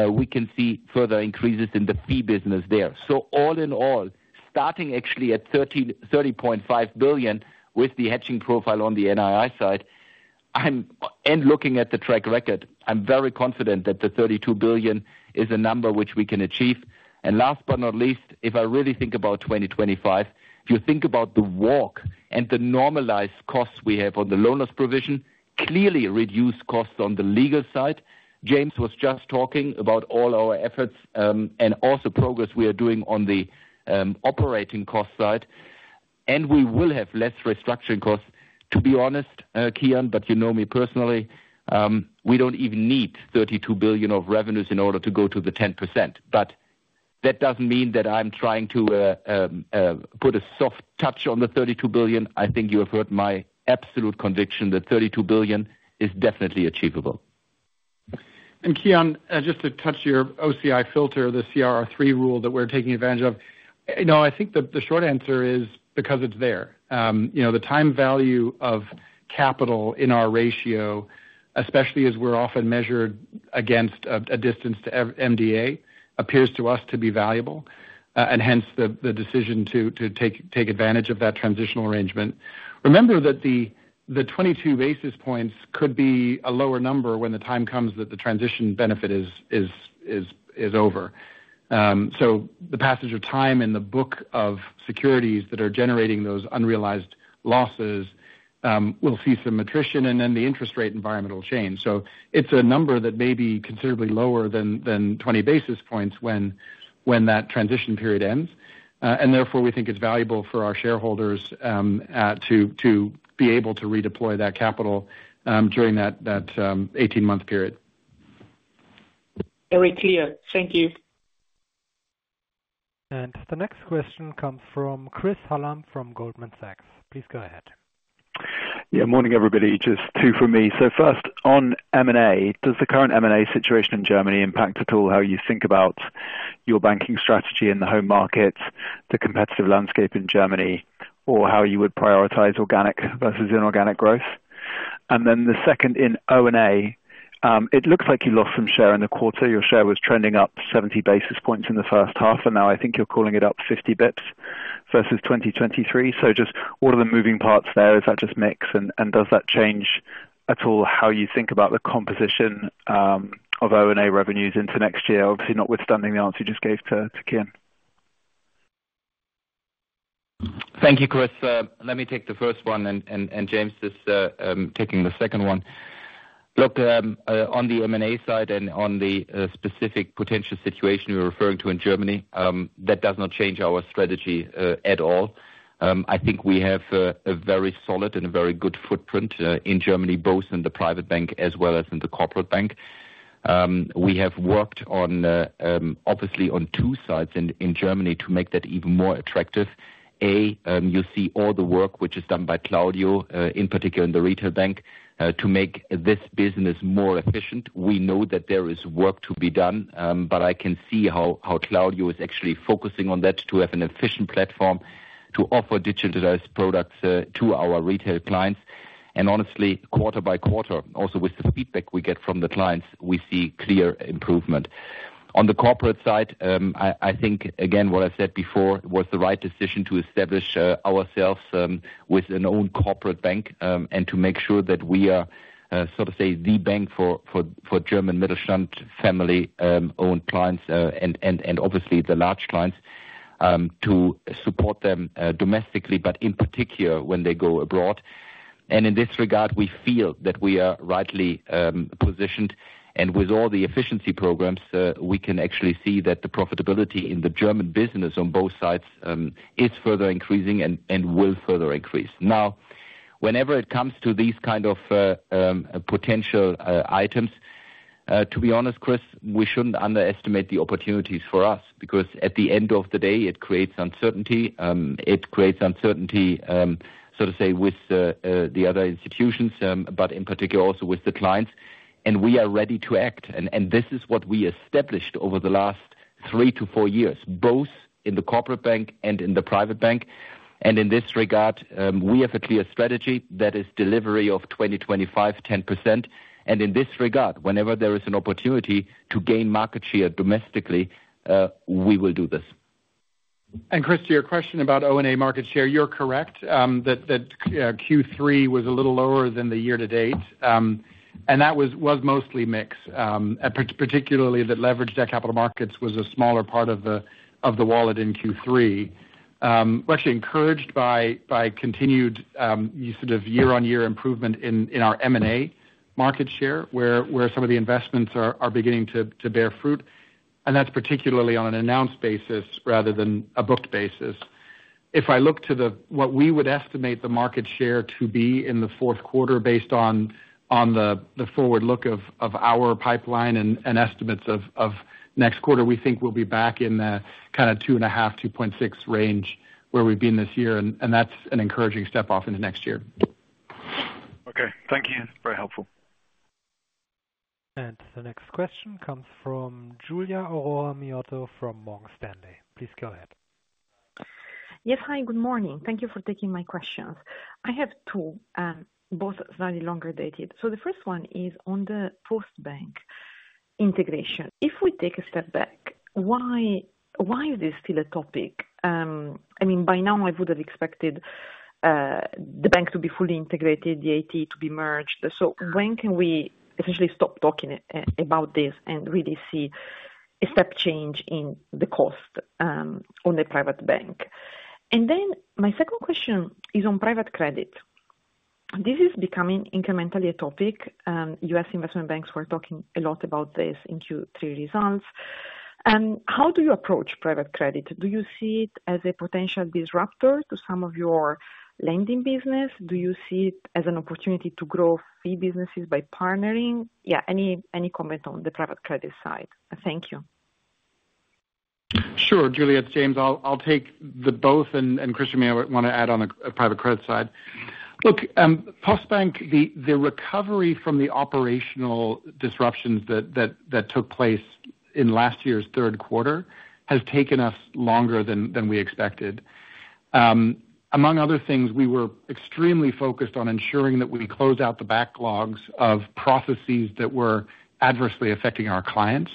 we can see further increases in the fee business there. All in all, starting actually at 30.5 billion with the hedging profile on the NII side, I'm. And looking at the track record, I'm very confident that the 32 billion is a number which we can achieve. Last but not least, if I really think about 2025, if you think about the walk and the normalized costs we have on the loan loss provision, clearly reduce costs on the legal side. James was just talking about all our efforts, and also progress we are doing on the operating cost side, and we will have less restructuring costs. To be honest, Kian, but you know me personally, we don't even need 32 billion of revenues in order to go to the 10%. But that doesn't mean that I'm trying to put a soft touch on the 32 billion. I think you have heard my absolute conviction that 32 billion is definitely achievable. Kian, just to touch your OCI filter, the CRR3 rule that we're taking advantage of. You know, I think the short answer is because it's there. You know, the time value of capital in our ratio, especially as we're often measured against a distance to MDA, appears to us to be valuable, and hence, the decision to take advantage of that transitional arrangement. Remember that the 22 basis points could be a lower number when the time comes that the transition benefit is over. So the passage of time in the book of securities that are generating those unrealized losses, we'll see some attrition, and then the interest rate environment will change. So it's a number that may be considerably lower than 20 basis points when that transition period ends. And therefore, we think it's valuable for our shareholders to be able to redeploy that capital during that eighteen-month period. Very clear. Thank you. The next question comes from Chris Hallam from Goldman Sachs. Please go ahead. Yeah. Morning, everybody. Just two for me. So first, on M&A, does the current M&A situation in Germany impact at all how you think about your banking strategy in the home market, the competitive landscape in Germany, or how you would prioritize organic versus inorganic growth? And then the second in O&A, it looks like you lost some share in the quarter. Your share was trending up 70 basis points in the first half, and now I think you're calling it up 50 bps versus 2023. So just what are the moving parts there? Is that just mix, and does that change at all how you think about the composition of O&A revenues into next year? Obviously, notwithstanding the answer you just gave to Kian. Thank you, Chris. Let me take the first one, and James is taking the second one. Look, on the M&A side and on the specific potential situation you're referring to in Germany, that does not change our strategy at all. I think we have a very solid and a very good footprint in Germany, both in the Private Bank as well as in the Corporate Bank. We have worked on obviously on two sides in Germany, to make that even more attractive. You see all the work which is done by Claudio, in particular in the retail bank, to make this business more efficient. We know that there is work to be done, but I can see how Claudio is actually focusing on that to have an efficient platform to offer digitalized products to our retail clients. Honestly, quarter by quarter, also with the feedback we get from the clients, we see clear improvement. On the corporate side, I think, again, what I said before, was the right decision to establish ourselves with an own Corporate Bank, and to make sure that we are sort of say, the bank for German Mittelstand family owned clients, and obviously the large clients, to support them domestically, but in particular, when they go abroad. And in this regard, we feel that we are rightly positioned, and with all the efficiency programs, we can actually see that the profitability in the German business on both sides is further increasing and will further increase. Now, whenever it comes to these kind of potential items, to be honest, Chris, we shouldn't underestimate the opportunities for us, because at the end of the day, it creates uncertainty. It creates uncertainty, so to say, with the other institutions, but in particular, also with the clients. And we are ready to act, and this is what we established over the last three to four years, both in the Corporate Bank and in the Private Bank. And in this regard, we have a clear strategy that is delivery of 2025 10%, and in this regard, whenever there is an opportunity to gain market share domestically, we will do this. Chris, to your question about O&A market share, you're correct that Q3 was a little lower than the year-to-date. That was mostly mix, particularly the leveraged capital markets was a smaller part of the wallet in Q3. We're actually encouraged by continued sort of year-on-year improvement in our M&A market share, where some of the investments are beginning to bear fruit, and that's particularly on an announced basis rather than a booked basis. If I look to the what we would estimate the market share to be in the fourth quarter, based on the forward look of our pipeline and estimates of next quarter, we think we'll be back in the kind of two and a half, two point six range where we've been this year, and that's an encouraging step off into next year. Okay, thank you. Very helpful. And the next question comes from Giulia Aurora Miotto from Morgan Stanley. Please go ahead. Yes. Hi, good morning. Thank you for taking my questions. I have two, both slightly longer dated. So the first one is on the Postbank integration. If we take a step back, why, why is this still a topic? I mean, by now I would have expected, the bank to be fully integrated, the IT to be merged. So when can we officially stop talking about this and really see a step change in the cost, on the Private Bank? And then my second question is on private credit. This is becoming incrementally a topic, U.S. Investment Banks were talking a lot about this in Q3 results. How do you approach private credit? Do you see it as a potential disrupter to some of your lending business? Do you see it as an opportunity to grow fee businesses by partnering? Yeah, any comment on the private credit side? Thank you. Sure, Giulia, it's James. I'll take the both, and Chris may want to add on a private credit side. Look, Postbank, the recovery from the operational disruptions that took place in last year's third quarter, has taken us longer than we expected. Among other things, we were extremely focused on ensuring that we close out the backlogs of processes that were adversely affecting our clients.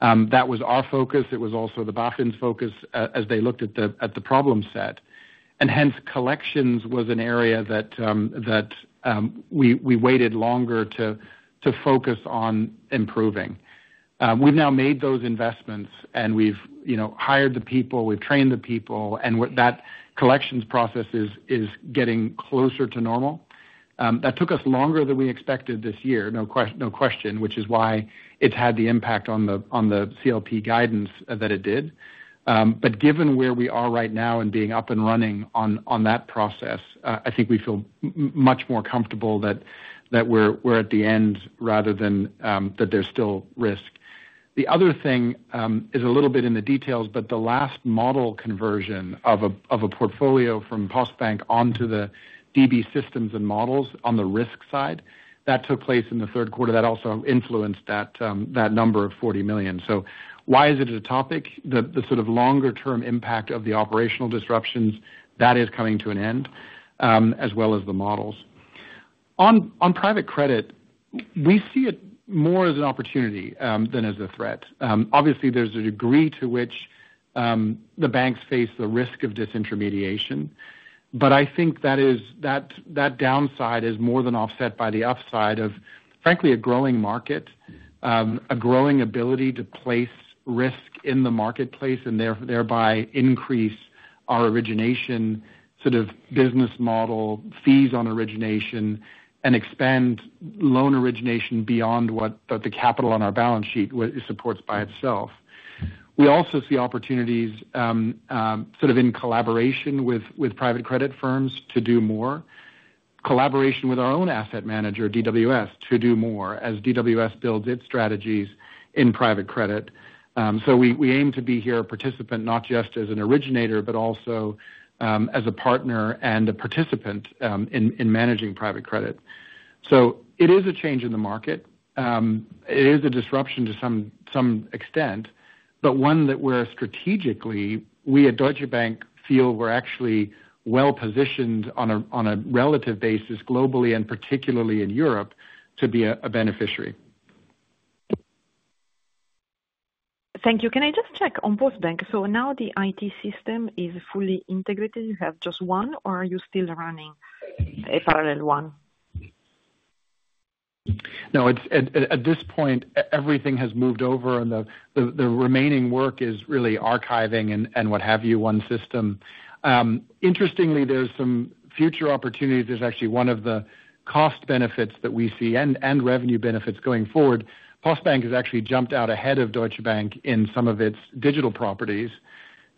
That was our focus. It was also the BaFin's focus, as they looked at the problem set, and hence, collections was an area that we waited longer to focus on improving. We've now made those investments, and we've, you know, hired the people, we've trained the people, and what that collections process is getting closer to normal. That took us longer than we expected this year, no question, which is why it's had the impact on the CLP guidance that it did, but given where we are right now and being up and running on that process, I think we feel much more comfortable that we're at the end rather than that there's still risk. The other thing is a little bit in the details, but the last model conversion of a portfolio from Postbank onto the DB systems and models on the risk side, that took place in the third quarter. That also influenced that number of 40 million, so why is it a topic? The sort of longer term impact of the operational disruptions, that is coming to an end, as well as the models. On private credit, we see it more as an opportunity than as a threat. Obviously, there's a degree to which the banks face the risk of disintermediation, but I think that downside is more than offset by the upside of, frankly, a growing market, a growing ability to place risk in the marketplace, and thereby increase our origination sort of business model, fees on origination, and expand loan origination beyond what the capital on our balance sheet supports by itself. We also see opportunities sort of in collaboration with private credit firms to do more. Collaboration with our own asset manager, DWS, to do more, as DWS builds its strategies in private credit. We aim to be a participant here, not just as an originator, but also as a partner and a participant in managing private credit. It is a change in the market. It is a disruption to some extent, but one that we at Deutsche Bank feel we're actually well-positioned on a relative basis, globally and particularly in Europe, to be a beneficiary. Thank you. Can I just check on Postbank? So now the IT system is fully integrated, you have just one, or are you still running a parallel one? No, it's at this point everything has moved over, and the remaining work is really archiving and what have you, one system. Interestingly, there's some future opportunities. There's actually one of the cost benefits that we see and revenue benefits going forward. Postbank has actually jumped out ahead of Deutsche Bank in some of its digital properties.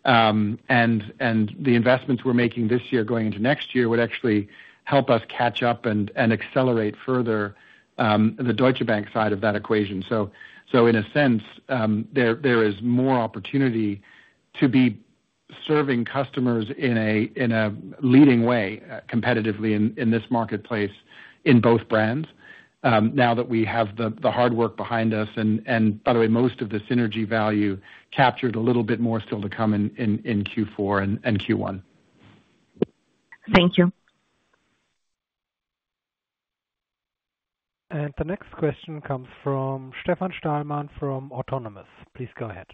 And the investments we're making this year, going into next year, would actually help us catch up and accelerate further the Deutsche Bank side of that equation. So, in a sense, there is more opportunity to be serving customers in a leading way, competitively in this marketplace in both brands, now that we have the hard work behind us, and by the way, most of the synergy value captured a little bit more still to come in Q4 and Q1. Thank you. The next question comes from Stefan Stalmann from Autonomous Research. Please go ahead.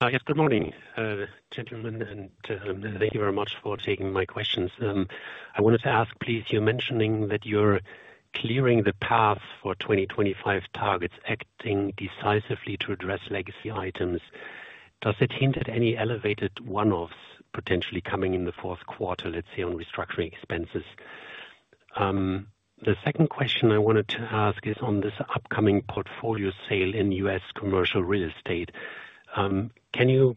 Yes, good morning, gentlemen, and thank you very much for taking my questions. I wanted to ask, please, you're mentioning that you're clearing the path for 2025 targets, acting decisively to address legacy items. Does it hint at any elevated one-offs potentially coming in the fourth quarter, let's say, on restructuring expenses? The second question I wanted to ask is on this upcoming portfolio sale in U.S. commercial real estate. Can you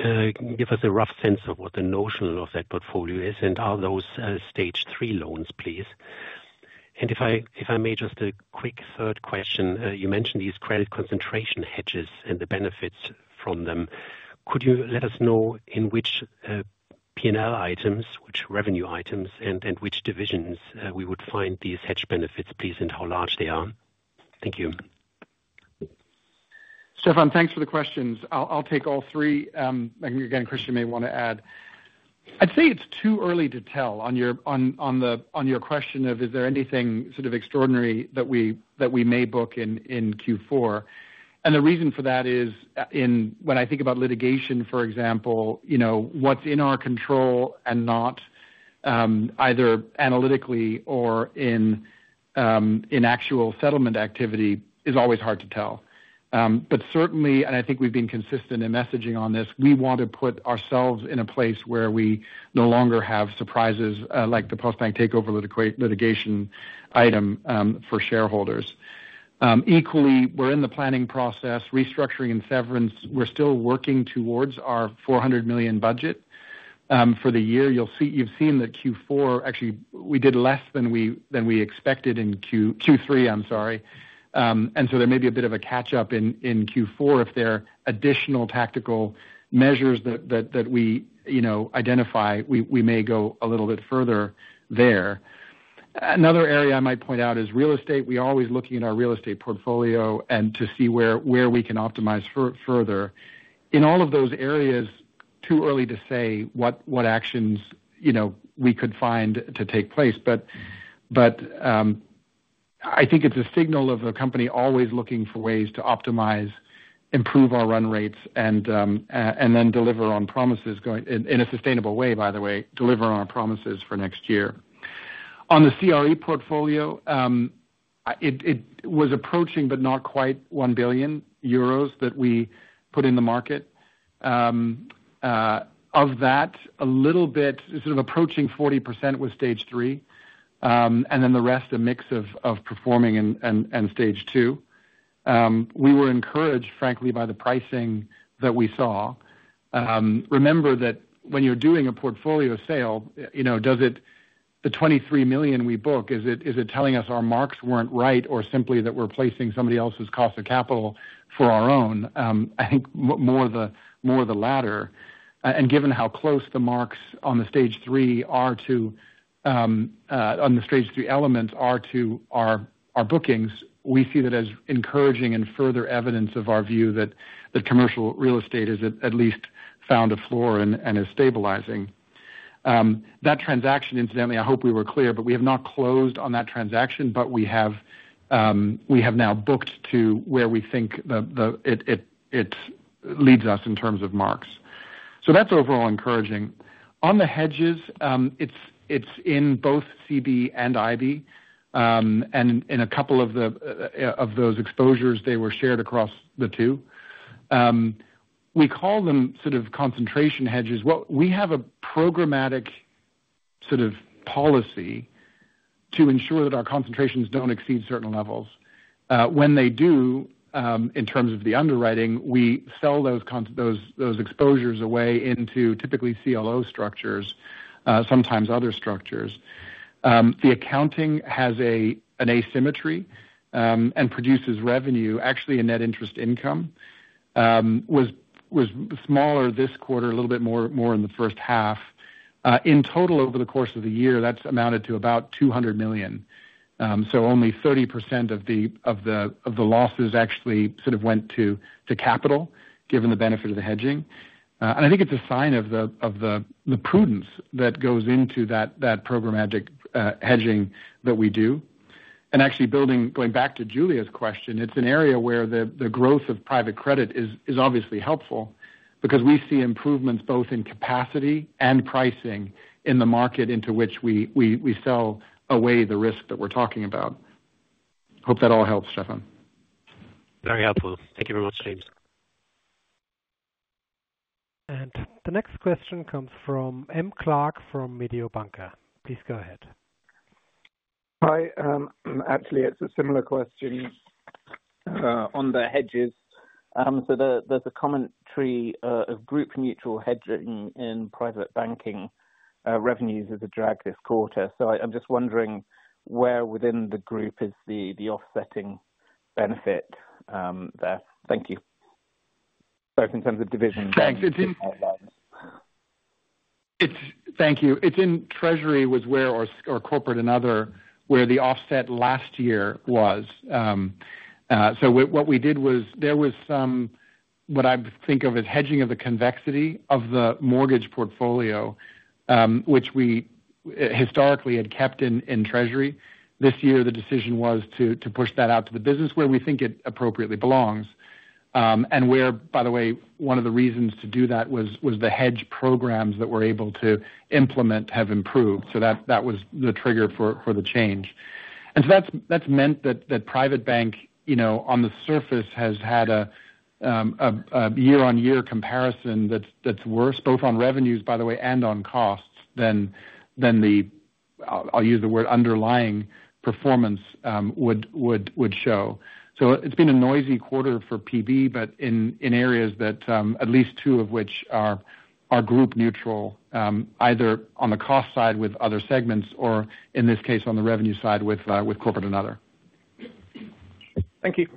give us a rough sense of what the notional of that portfolio is, and are those Stage 3 loans, please? And if I may, just a quick third question. You mentioned these credit concentration hedges and the benefits from them. Could you let us know in which P&L items, which revenue items and which divisions we would find these hedge benefits, please, and how large they are? Thank you. Stefan, thanks for the questions. I'll take all three. And again, Christian may wanna add. I'd say it's too early to tell on your question of is there anything sort of extraordinary that we may book in Q4. And the reason for that is, when I think about litigation, for example, you know, what's in our control and not, either analytically or in actual settlement activity, is always hard to tell. But certainly, and I think we've been consistent in messaging on this, we want to put ourselves in a place where we no longer have surprises, like the Postbank takeover litigation item, for shareholders. Equally, we're in the planning process, restructuring and severance. We're still working towards our 400 million budget for the year. You've seen that Q4. Actually, we did less than we expected in Q3, I'm sorry. And so there may be a bit of a catch up in Q4 if there are additional tactical measures that we, you know, identify, we may go a little bit further there. Another area I might point out is real estate. We're always looking at our real estate portfolio and to see where we can optimize further. In all of those areas, too early to say what actions, you know, we could find to take place. But I think it's a signal of a company always looking for ways to optimize, improve our run rates, and then deliver on promises going... In a sustainable way, by the way, deliver on our promises for next year. On the CRE portfolio, it was approaching but not quite 1 billion euros that we put in the market. Of that, a little bit, sort of approaching 40% was Stage 3, and then the rest, a mix of performing and Stage 2. We were encouraged, frankly, by the pricing that we saw. Remember that when you're doing a portfolio sale, you know, does it - the 23 million we book, is it telling us our marks weren't right or simply that we're placing somebody else's cost of capital for our own? I think more the latter. Given how close the marks on the Stage 3 elements are to our bookings, we see that as encouraging and further evidence of our view that Commercial Real Estate is at least found a floor and is stabilizing. That transaction, incidentally, I hope we were clear, but we have not closed on that transaction, but we have now booked to where we think it leads us in terms of marks. So that's overall encouraging. On the hedges, it's in both CB and IB. And in a couple of those exposures, they were shared across the two. We call them sort of concentration hedges. We have a programmatic sort of policy to ensure that our concentrations don't exceed certain levels. When they do, in terms of the underwriting, we sell those exposures away into typically CLO structures, sometimes other structures. The accounting has an asymmetry and produces revenue. Actually, net interest income was smaller this quarter, a little bit more in the first half. In total, over the course of the year, that's amounted to about 200 million. So only 30% of the losses actually went to capital, given the benefit of the hedging. I think it's a sign of the prudence that goes into that programmatic hedging that we do, and actually building... Going back to Giulia's question, it's an area where the growth of private credit is obviously helpful because we see improvements both in capacity and pricing in the market into which we sell away the risk that we're talking about. Hope that all helps, Stefan. Very helpful. Thank you very much, James. The next question comes from Matthew Clark from Mediobanca. Please go ahead. Hi, actually, it's a similar question on the hedges. So there's a commentary of group neutral hedging in Private Banking revenues as a drag this quarter. So I'm just wondering where within the group is the offsetting benefit there? Thank you. Both in terms of division Thanks It's... Thank you. It's in treasury was where or corporate and other, where the offset last year was. So what we did was there was some, what I'd think of as hedging of the convexity of the mortgage portfolio, which we historically had kept in treasury. This year, the decision was to push that out to the business where we think it appropriately belongs. And where, by the way, one of the reasons to do that was the hedge programs that we're able to implement have improved. So that was the trigger for the change. And so that's meant that Private Bank, you know, on the surface, has had a year-over-year comparison that's worse, both on revenues, by the way, and on costs than the, I'll use the word, underlying performance would show. So it's been a noisy quarter for PB, but in areas that at least two of which are group neutral, either on the cost side with other segments or in this case, on the revenue side with Corporate Bank and other. Thank you.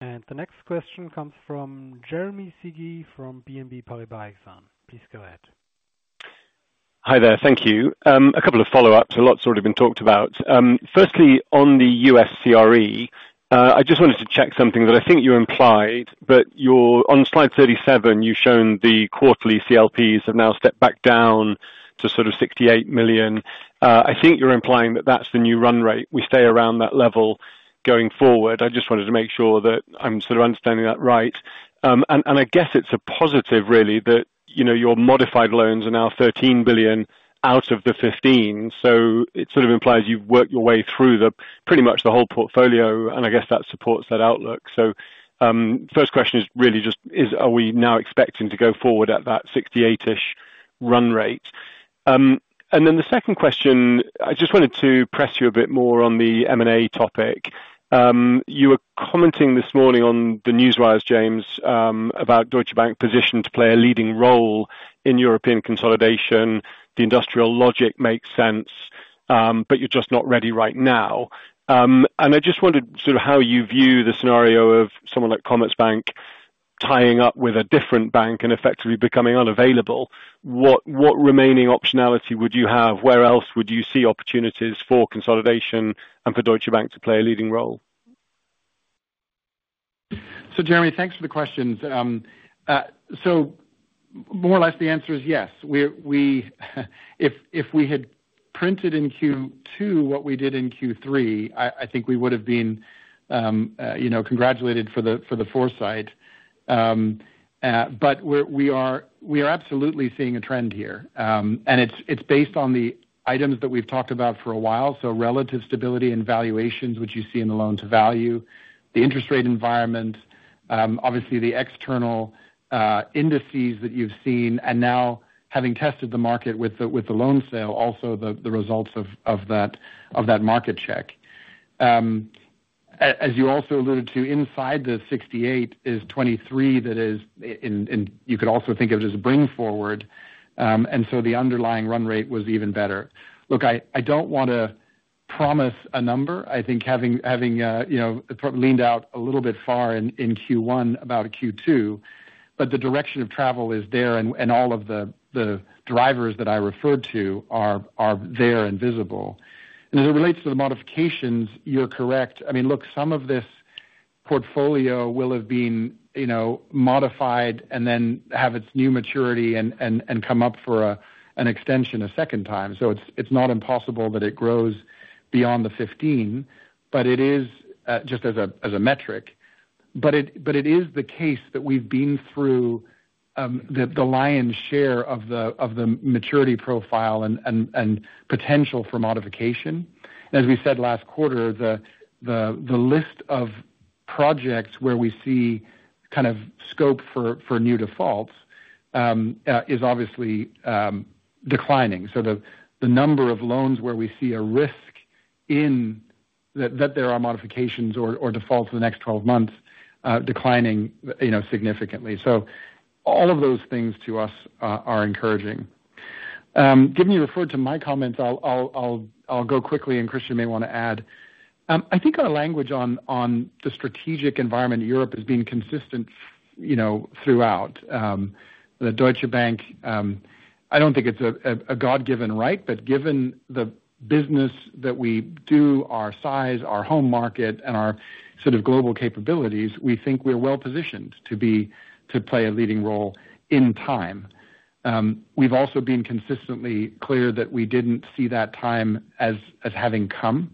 The next question comes from Jeremy Sigee from BNP Paribas. Please go ahead. Hi there. Thank you. A couple of follow-ups. A lot's already been talked about. Firstly, on the U.S. CRE, I just wanted to check something that I think you implied, but you're... On slide 37, you've shown the quarterly CLPs have now stepped back down to sort of $68 million. I think you're implying that that's the new run rate. We stay around that level going forward. I just wanted to make sure that I'm sort of understanding that right. And I guess it's a positive, really, that, you know, your modified loans are now $13 billion out of the $15 billion. So it sort of implies you've worked your way through the, pretty much the whole portfolio, and I guess that supports that outlook. So, first question is really just, is, are we now expecting to go forward at that $68-ish run rate? And then the second question, I just wanted to press you a bit more on the M&A topic. You were commenting this morning on the newswire, James, about Deutsche Bank position to play a leading role in European consolidation. The industrial logic makes sense, but you're just not ready right now. And I just wondered sort of how you view the scenario of someone like Commerzbank tying up with a different bank and effectively becoming unavailable. What remaining optionality would you have? Where else would you see opportunities for consolidation and for Deutsche Bank to play a leading role? So, Jeremy, thanks for the questions. So more or less, the answer is yes. If we had printed in Q2 what we did in Q3, I think we would have been, you know, congratulated for the foresight. But we are absolutely seeing a trend here. And it's based on the items that we've talked about for a while. So relative stability and valuations, which you see in the loans value, the interest rate environment, obviously the external indices that you've seen, and now having tested the market with the loan sale, also the results of that market check. As you also alluded to, inside the $68 is $23, that is, and you could also think of it as a bring forward, and so the underlying run rate was even better. Look, I don't wanna promise a number. I think having you know probably leaned out a little bit far in Q1 about Q2, but the direction of travel is there, and all of the drivers that I referred to are there and visible. And as it relates to the modifications, you're correct. I mean, look, some of this portfolio will have been you know modified and then have its new maturity and come up for an extension a second time. So it's not impossible that it grows beyond the $15, but it is just as a metric. But it is the case that we've been through the lion's share of the maturity profile and potential for modification. As we said last quarter, the list of projects where we see kind of scope for new defaults is obviously declining. So the number of loans where we see a risk in that there are modifications or defaults in the next 12 months declining, you know, significantly. So all of those things to us are encouraging. Given you referred to my comments, I'll go quickly, and Christian may wanna add. I think our language on the strategic environment in Europe has been consistent, you know, throughout Deutsche Bank. I don't think it's a God-given right, but given the business that we do, our size, our home market, and our sort of global capabilities, we think we're well positioned to play a leading role in time. We've also been consistently clear that we didn't see that time as having come.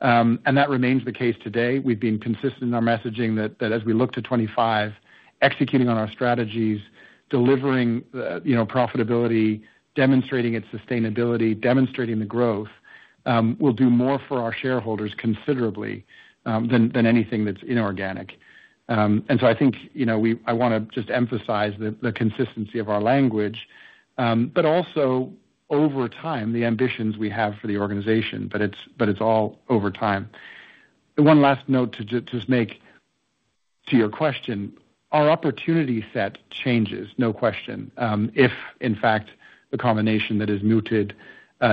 And that remains the case today. We've been consistent in our messaging that as we look to 2025, executing on our strategies, delivering, you know, profitability, demonstrating its sustainability, demonstrating the growth, will do more for our shareholders considerably than anything that's inorganic. And so I think, you know, I wanna just emphasize the consistency of our language, but also over time, the ambitions we have for the organization, but it's all over time. One last note to just make to your question, our opportunity set changes, no question, if in fact, the combination that is mooted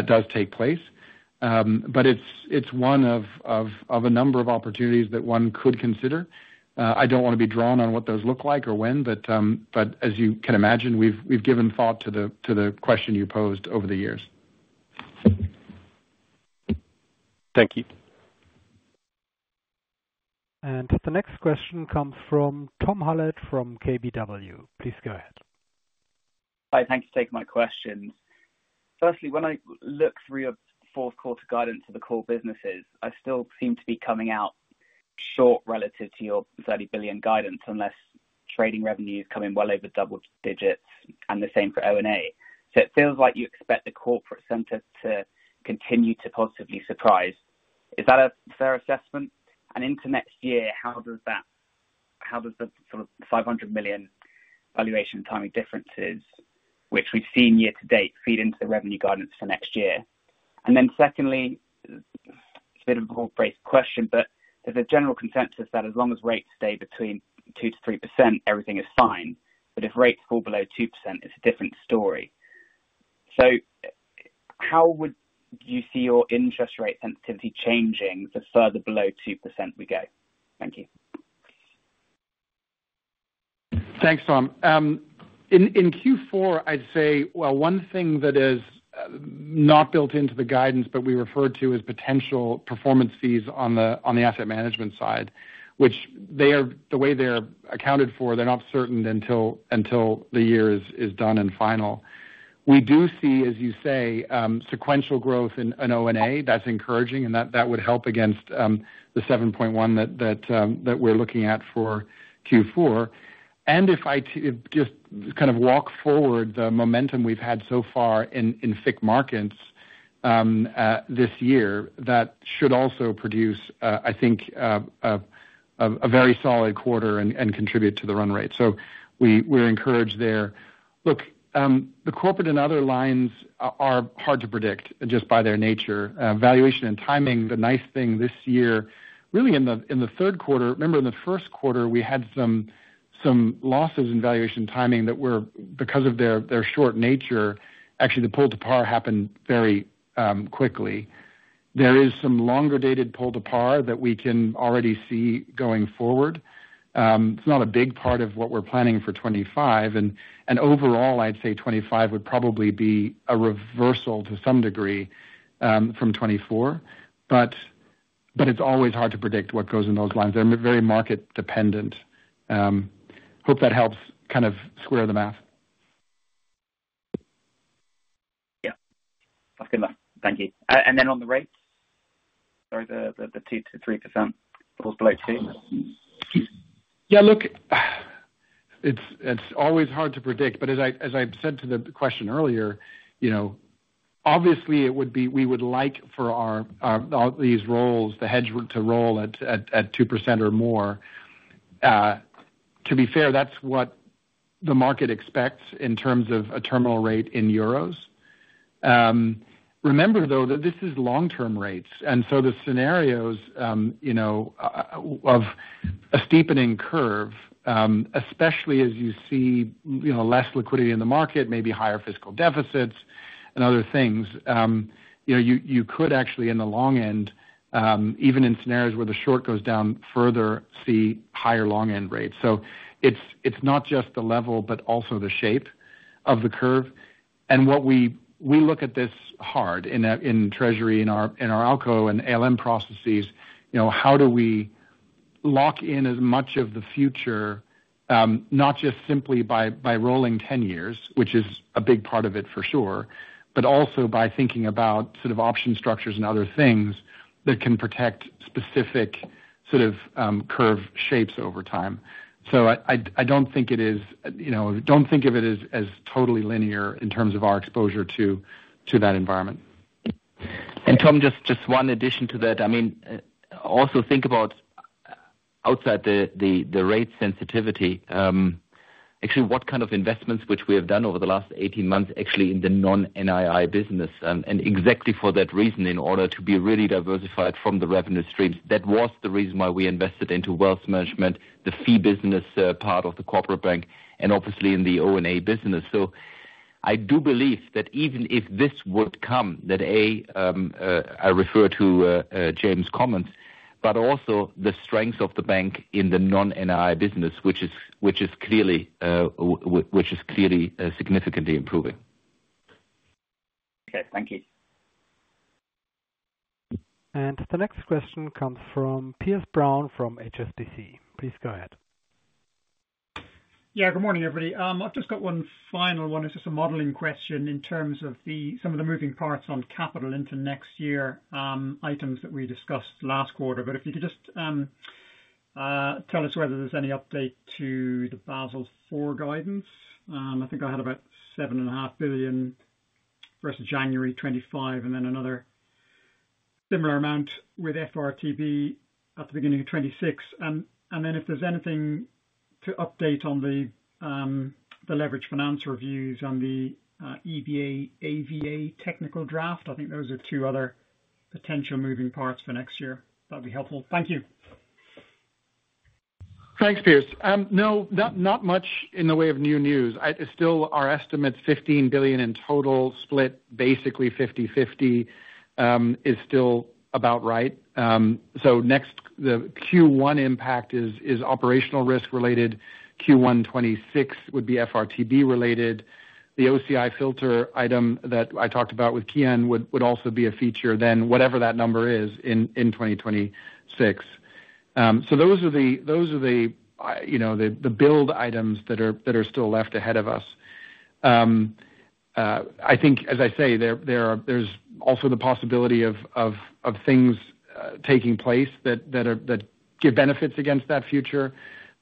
does take place. But it's one of a number of opportunities that one could consider. I don't wanna be drawn on what those look like or when, but as you can imagine, we've given thought to the question you posed over the years. Thank you. The next question comes from Tom Hallett from KBW. Please go ahead. Hi, thanks for taking my questions. Firstly, when I look through your fourth quarter guidance for the core businesses, I still seem to be coming out short relative to your 30 billion guidance, unless trading revenues come in well over double digits and the same for O&A. So it feels like you expect the corporate center to continue to positively surprise. Is that a fair assessment? And into next year, how does that- how does the sort of 500 million valuation timing differences, which we've seen year-to-date, feed into the revenue guidance for next year? And then secondly, it's a bit of a broad-based question, but there's a general consensus that as long as rates stay between 2% to 3%, everything is fine, but if rates fall below 2%, it's a different story. So how would you see your interest rate sensitivity changing the further below 2% we go? Thank you. Thanks, Tom. In Q4, I'd say, well, one thing that is not built into the guidance, but we referred to as potential performance fees on the Asset Management side, which they are. The way they're accounted for, they're not certain until the year is done and final. We do see, as you say, sequential growth in O&A, that's encouraging, and that would help against the seven point one that we're looking at for Q4. And if I just kind of walk forward, the momentum we've had so far in FICC markets this year, that should also produce, I think, a very solid quarter and contribute to the run rate. So we're encouraged there. Look, the corporate and other lines are hard to predict just by their nature. Valuation and timing, the nice thing this year, really in the third quarter. Remember in the first quarter, we had some losses in valuation timing that were, because of their short nature, actually, the pull to par happened very quickly. There is some longer-dated pull to par that we can already see going forward. It's not a big part of what we're planning for 2025, and overall, I'd say 2025 would probably be a reversal to some degree from 2024. But it's always hard to predict what goes in those lines. They're very market dependent. Hope that helps kind of square the math. Yeah, that's good. Thank you, and then on the rates, sorry, the 2%-3% or below 2%? Yeah, look, it's always hard to predict, but as I said to the question earlier, you know, obviously it would be we would like for our all these roles, the hedge to roll at 2% or more. To be fair, that's what the market expects in terms of a terminal rate in Euros. Remember, though, that this is long-term rates, and so the scenarios of a steepening curve, especially as you see, you know, less liquidity in the market, maybe higher fiscal deficits and other things, you could actually, in the long end, even in scenarios where the short goes down further, see higher long-end rates. So it's not just the level, but also the shape of the curve. What we look at this hard in treasury, in our ALCO and ALM processes. You know, how do we lock in as much of the future, not just simply by rolling 10 years, which is a big part of it for sure, but also by thinking about sort of option structures and other things that can protect specific sort of curve shapes over time. So I don't think it is. You know, don't think of it as totally linear in terms of our exposure to that environment. And Tom, just one addition to that. I mean, also think about outside the rate sensitivity, actually what kind of investments which we have done over the last 18 months, actually in the non-NII business, and exactly for that reason, in order to be really diversified from the revenue streams. That was the reason why we invested into Wealth Management, the fee business, part of the Corporate Bank, and obviously in the O&A business. So I do believe that even if this would come, that, I refer to James' comments, but also the strength of the bank in the non-NII business, which is clearly significantly improving. Okay, thank you. The next question comes from Piers Brown, from HSBC. Please go ahead. Yeah, good morning, everybody. I've just got one final one. It's just a modeling question in terms of the, some of the moving parts on capital into next year, items that we discussed last quarter. But if you could just, tell us whether there's any update to the Basel IV guidance. I think I had about 7.5 billion versus January 2025, and then another similar amount with FRTB at the beginning of 2026. And, and then if there's anything to update on the, the leveraged finance reviews on the, EBA, AVA technical draft. I think those are two other potential moving parts for next year. That'd be helpful. Thank you. Thanks, Piers. No, not much in the way of new news. Still, our estimate, 15 billion in total, split basically 50/50, is still about right. So next, the Q1 impact is operational risk related. Q1 2026 would be FRTB related. The OCI filter item that I talked about with Kian would also be a feature then, whatever that number is, in 2026. So those are the build items that are still left ahead of us. You know, I think, as I say, there is also the possibility of things taking place that give benefits against that future.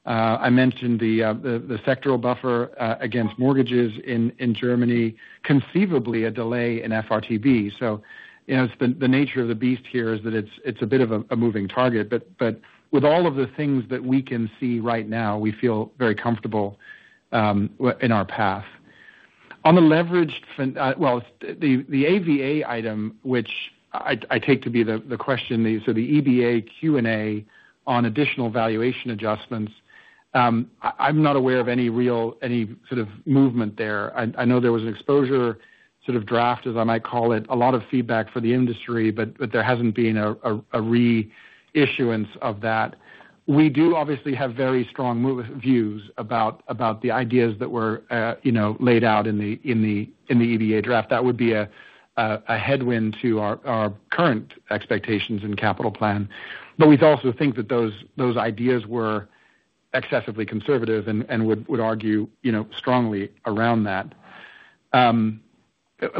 I mentioned the sectoral buffer against mortgages in Germany, conceivably a delay in FRTB. So you know, it's the nature of the beast here is that it's a bit of a moving target, but with all of the things that we can see right now, we feel very comfortable in our path. Well, the AVA item, which I take to be the question, so the EBA Q&A on additional valuation adjustments, I'm not aware of any real sort of movement there. I know there was an exposure draft, as I might call it, a lot of feedback for the industry, but there hasn't been a reissuance of that. We do obviously have very strong views about the ideas that were, you know, laid out in the EBA draft. That would be a headwind to our current expectations and capital plan. But we'd also think that those ideas were excessively conservative and would argue, you know, strongly around that.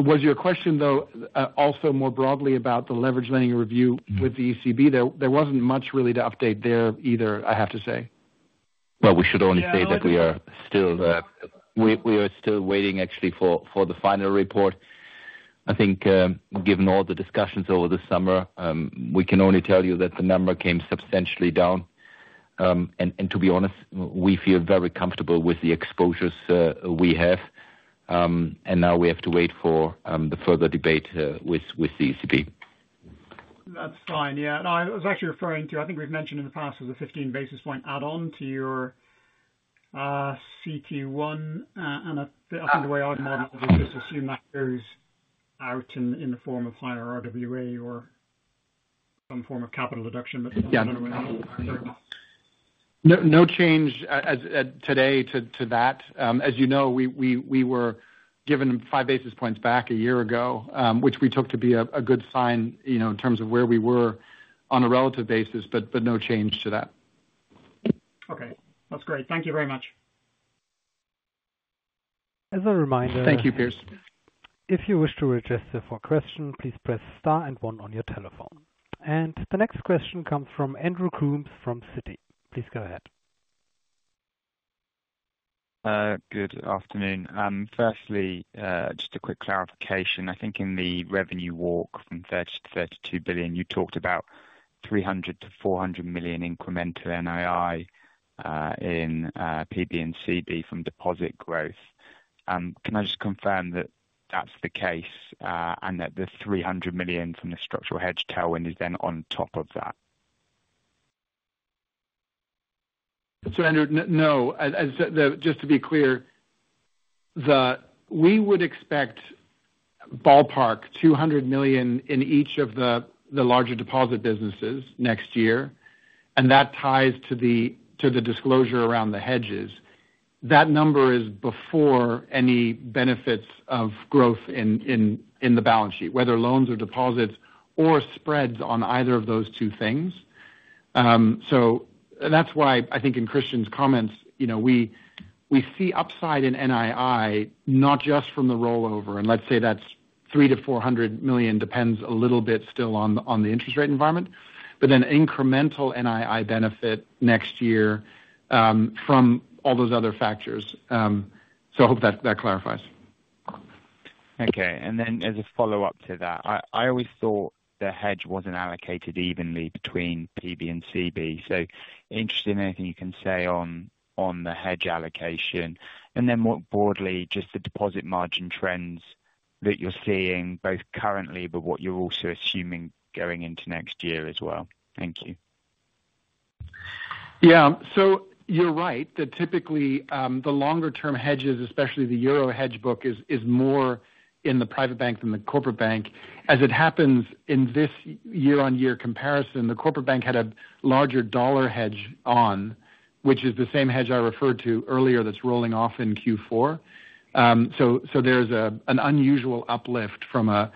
Was your question, though, also more broadly about the leveraged lending review with the ECB? There wasn't much really to update there either, I have to say. We should only say that we are still waiting actually for the final report. I think, given all the discussions over the summer, we can only tell you that the number came substantially down, and to be honest, we feel very comfortable with the exposures we have, and now we have to wait for the further debate with the ECB. That's fine. Yeah. No, I was actually referring to... I think we've mentioned in the past, as a 15 basis point add on to your CET1, and I think the way I'd model it, just assume that goes out in the form of higher RWA or some form of capital reduction, but Yeah... No, no change as at today to that. As you know, we were given five basis points back a year ago, which we took to be a good sign, you know, in terms of where we were on a relative basis, but no change to that. Okay, that's great. Thank you very much. As a reminder Thank you, Piers. If you wish to register for a question, please press star and one on your telephone. The next question comes from Andrew Coombs from Citi. Please go ahead. Good afternoon. Firstly, just a quick clarification. I think in the revenue walk from 30-32 billion, you talked about 300-400 million incremental NII in PB and CB from deposit growth. Can I just confirm that that's the case, and that the 300 million from the structural hedge tailwind is then on top of that? So Andrew, no. As the – just to be clear, we would expect ballpark 200 million in each of the larger deposit businesses next year, and that ties to the disclosure around the hedges. That number is before any benefits of growth in the balance sheet, whether loans or deposits, or spreads on either of those two things. So that's why I think in Christian's comments, you know, we see upside in NII, not just from the rollover, and let's say that's 300-400 million, depends a little bit still on the interest rate environment, but then incremental NII benefit next year from all those other factors. So I hope that clarifies. Okay, and then as a follow-up to that, I always thought the hedge wasn't allocated evenly between PB and CB, so interested in anything you can say on, on the hedge allocation, and then more broadly, just the deposit margin trends that you're seeing, both currently, but what you're also assuming going into next year as well. Thank you. Yeah. So you're right, that typically the longer term hedges, especially the Euro hedge book, is more in the Private Bank than the Corporate Bank. As it happens, in this year-on-year comparison, the Corporate Bank had a larger dollar hedge on, which is the same hedge I referred to earlier that's rolling off in Q4. So there's an unusual uplift from a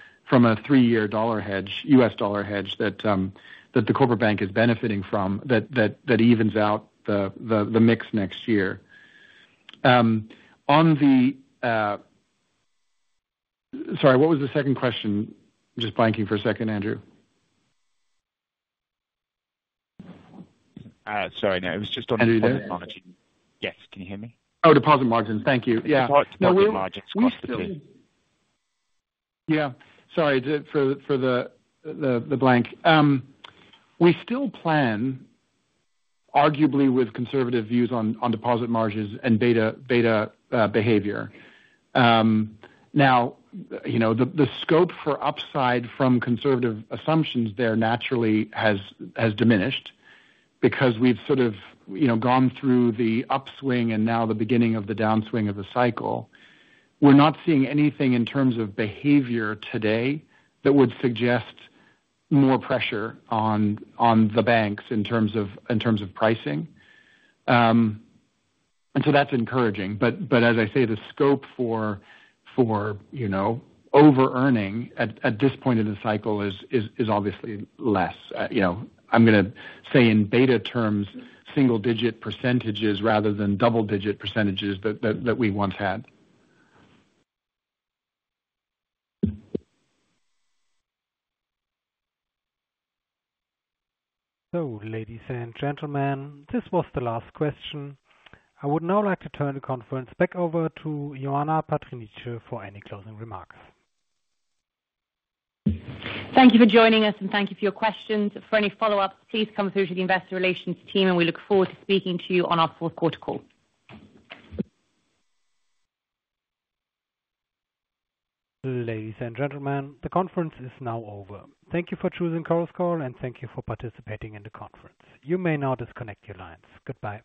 three-year dollar hedge, U.S. dollar hedge, that the Corporate Bank is benefiting from, that evens out the mix next year. Sorry, what was the second question? Just blanking for a second, Andrew. Sorry. No, it was just the deposit margin. Yes, can you hear me? Oh, deposit margins. Thank you. Yeah. margins across the piece. Yeah, sorry for the blank. We still plan, arguably with conservative views on deposit margins and beta behavior. Now, you know, the scope for upside from conservative assumptions there naturally has diminished because we've sort of, you know, gone through the upswing and now the beginning of the downswing of the cycle. We're not seeing anything in terms of behavior today that would suggest more pressure on the banks in terms of pricing, and so that's encouraging, but as I say, the scope for, you know, overearning at this point in the cycle is obviously less. You know, I'm gonna say in beta terms, single digit percentages rather than double digit percentages that we once had. So ladies and gentlemen, this was the last question. I would now like to turn the conference back over to Ioana Patriniche for any closing remarks. Thank you for joining us, and thank you for your questions. For any follow-up, please come through to the Investor Relations team, and we look forward to speaking to you on our fourth quarter call. Ladies and gentlemen, the conference is now over. Thank you for choosing Chorus Call, and thank you for participating in the conference. You may now disconnect your lines. Goodbye.